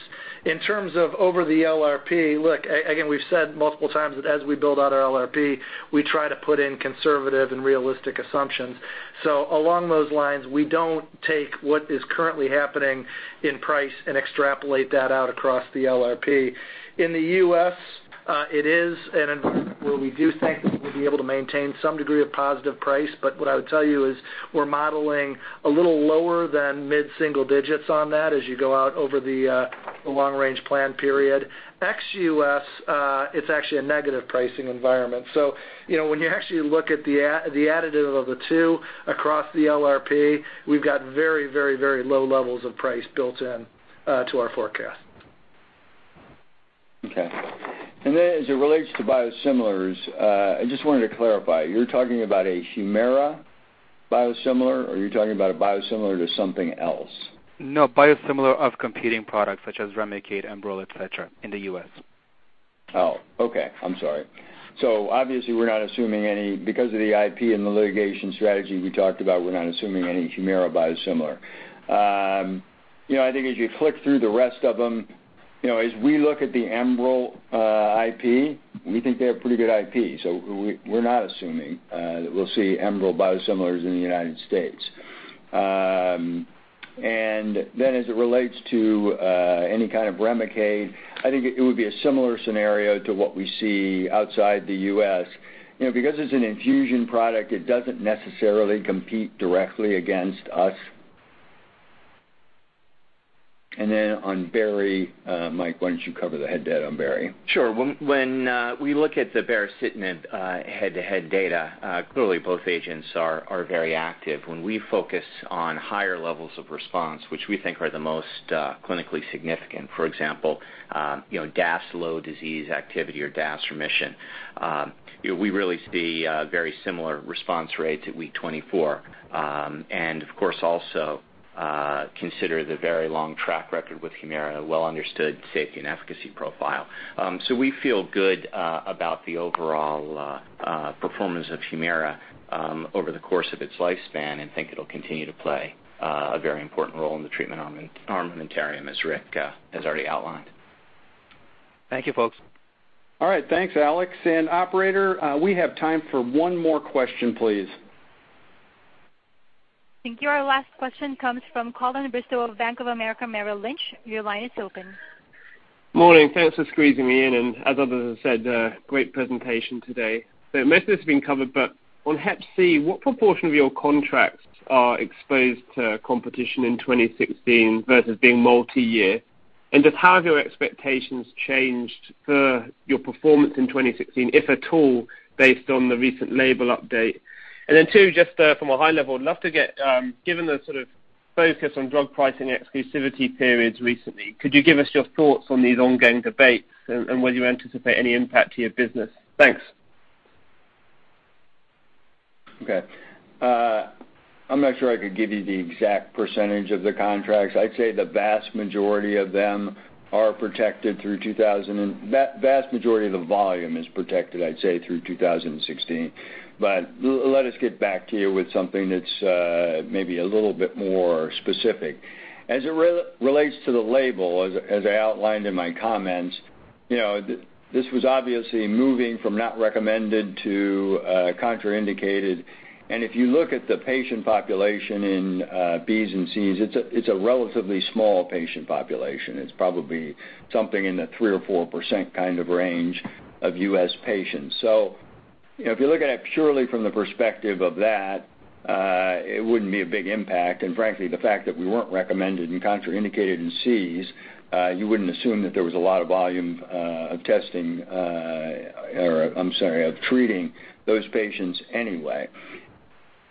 In terms of over the LRP, look, again, we've said multiple times that as we build out our LRP, we try to put in conservative and realistic assumptions. Along those lines, we don't take what is currently happening in price and extrapolate that out across the LRP. In the U.S., it is an environment where we do think that we'll be able to maintain some degree of positive price. What I would tell you is we're modeling a little lower than mid-single digits on that as you go out over the long-range plan period. Ex-U.S., it's actually a negative pricing environment. When you actually look at the additive of the two across the LRP, we've got very low levels of price built in to our forecast. Okay. As it relates to biosimilars, I just wanted to clarify, you're talking about a HUMIRA biosimilar, or are you talking about a biosimilar to something else? No, biosimilar of competing products such as REMICADE, ENBREL, et cetera, in the U.S. Oh, okay. I'm sorry. Obviously, we're not assuming any, because of the IP and the litigation strategy we talked about, we're not assuming any HUMIRA biosimilar. I think as you flick through the rest of them, as we look at the ENBREL IP, we think they have pretty good IP. We're not assuming that we'll see ENBREL biosimilars in the United States. As it relates to any kind of REMICADE, I think it would be a similar scenario to what we see outside the U.S. Because it's an infusion product, it doesn't necessarily compete directly against us. On Bari, Mike, why don't you cover the head-to-head on Bari? Sure. When we look at the baricitinib head-to-head data, clearly both agents are very active. When we focus on higher levels of response, which we think are the most clinically significant, for example, DAS28 low disease activity or DAS remission, we really see very similar response rates at week 24. Of course, also consider the very long track record with HUMIRA, well-understood safety and efficacy profile. We feel good about the overall performance of HUMIRA over the course of its lifespan and think it'll continue to play a very important role in the treatment armamentarium, as Rick has already outlined. Thank you, folks. All right. Thanks, Alex. Operator, we have time for one more question, please. Thank you. Our last question comes from Colin Bristow of Bank of America Merrill Lynch. Your line is open. Morning. Thanks for squeezing me in, and as others have said, great presentation today. Most of it's been covered, but on HCV, what proportion of your contracts are exposed to competition in 2016 versus being multi-year? Just how have your expectations changed for your performance in 2016, if at all, based on the recent label update? Then 2, just from a high level, I'd love to get, given the sort of focus on drug pricing exclusivity periods recently, could you give us your thoughts on these ongoing debates, and whether you anticipate any impact to your business? Thanks. Okay. I'm not sure I could give you the exact percentage of the contracts. I'd say the vast majority of them are protected through. Vast majority of the volume is protected, I'd say, through 2016. Let us get back to you with something that's maybe a little bit more specific. As it relates to the label, as I outlined in my comments, this was obviously moving from not recommended to contraindicated. If you look at the patient population in Bs and Cs, it's a relatively small patient population. It's probably something in the 3% or 4% kind of range of U.S. patients. If you look at it purely from the perspective of that, it wouldn't be a big impact, and frankly, the fact that we weren't recommended and contraindicated in Cs, you wouldn't assume that there was a lot of volume of testing, or I'm sorry, of treating those patients anyway.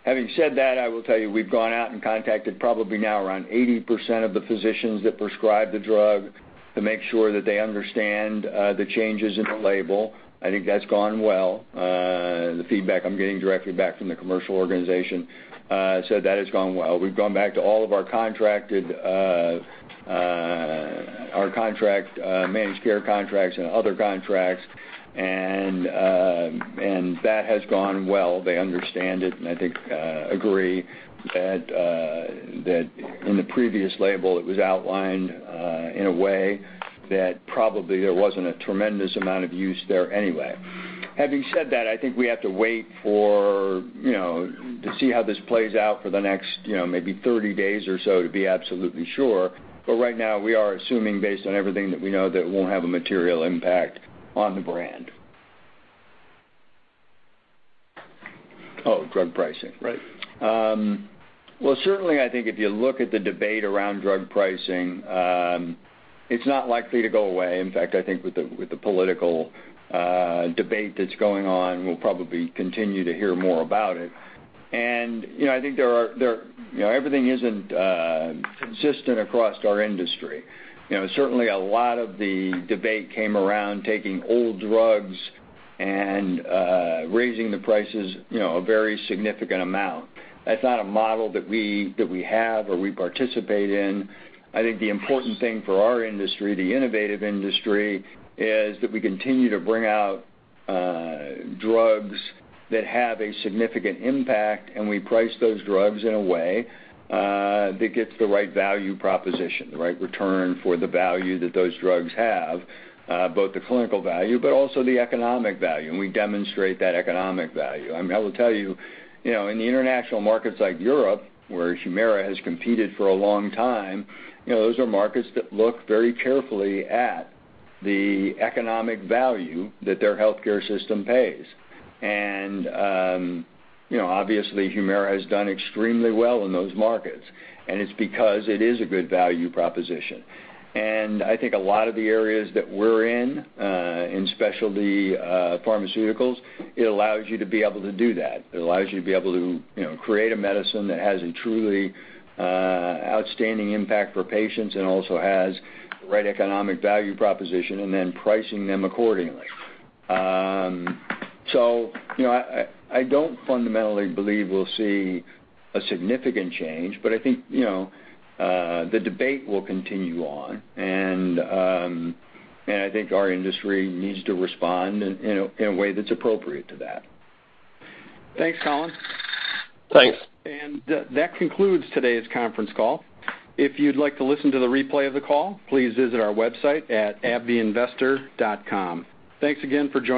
Having said that, I will tell you, we've gone out and contacted probably now around 80% of the physicians that prescribe the drug. To make sure that they understand the changes in the label. I think that's gone well. The feedback I'm getting directly back from the commercial organization, said that has gone well. We've gone back to all of our managed care contracts and other contracts, and that has gone well. They understand it, and I think agree that in the previous label, it was outlined in a way that probably there wasn't a tremendous amount of use there anyway. Having said that, I think we have to wait to see how this plays out for the next maybe 30 days or so to be absolutely sure. Right now, we are assuming, based on everything that we know, that it won't have a material impact on the brand. Oh, drug pricing. Right. Well, certainly, I think if you look at the debate around drug pricing, it's not likely to go away. In fact, I think with the political debate that's going on, we'll probably continue to hear more about it. I think everything isn't consistent across our industry. Certainly, a lot of the debate came around taking old drugs and raising the prices a very significant amount. That's not a model that we have or we participate in. I think the important thing for our industry, the innovative industry, is that we continue to bring out drugs that have a significant impact, and we price those drugs in a way that gets the right value proposition, the right return for the value that those drugs have, both the clinical value but also the economic value, and we demonstrate that economic value. I will tell you, in the international markets like Europe, where HUMIRA has competed for a long time, those are markets that look very carefully at the economic value that their healthcare system pays. Obviously, HUMIRA has done extremely well in those markets, and it's because it is a good value proposition. I think a lot of the areas that we're in specialty pharmaceuticals, it allows you to be able to do that. It allows you to be able to create a medicine that has a truly outstanding impact for patients and also has the right economic value proposition, and then pricing them accordingly. I don't fundamentally believe we'll see a significant change, I think the debate will continue on, I think our industry needs to respond in a way that's appropriate to that. Thanks, Colin. Thanks. That concludes today's conference call. If you'd like to listen to the replay of the call, please visit our website at investors.abbvie.com. Thanks again for joining.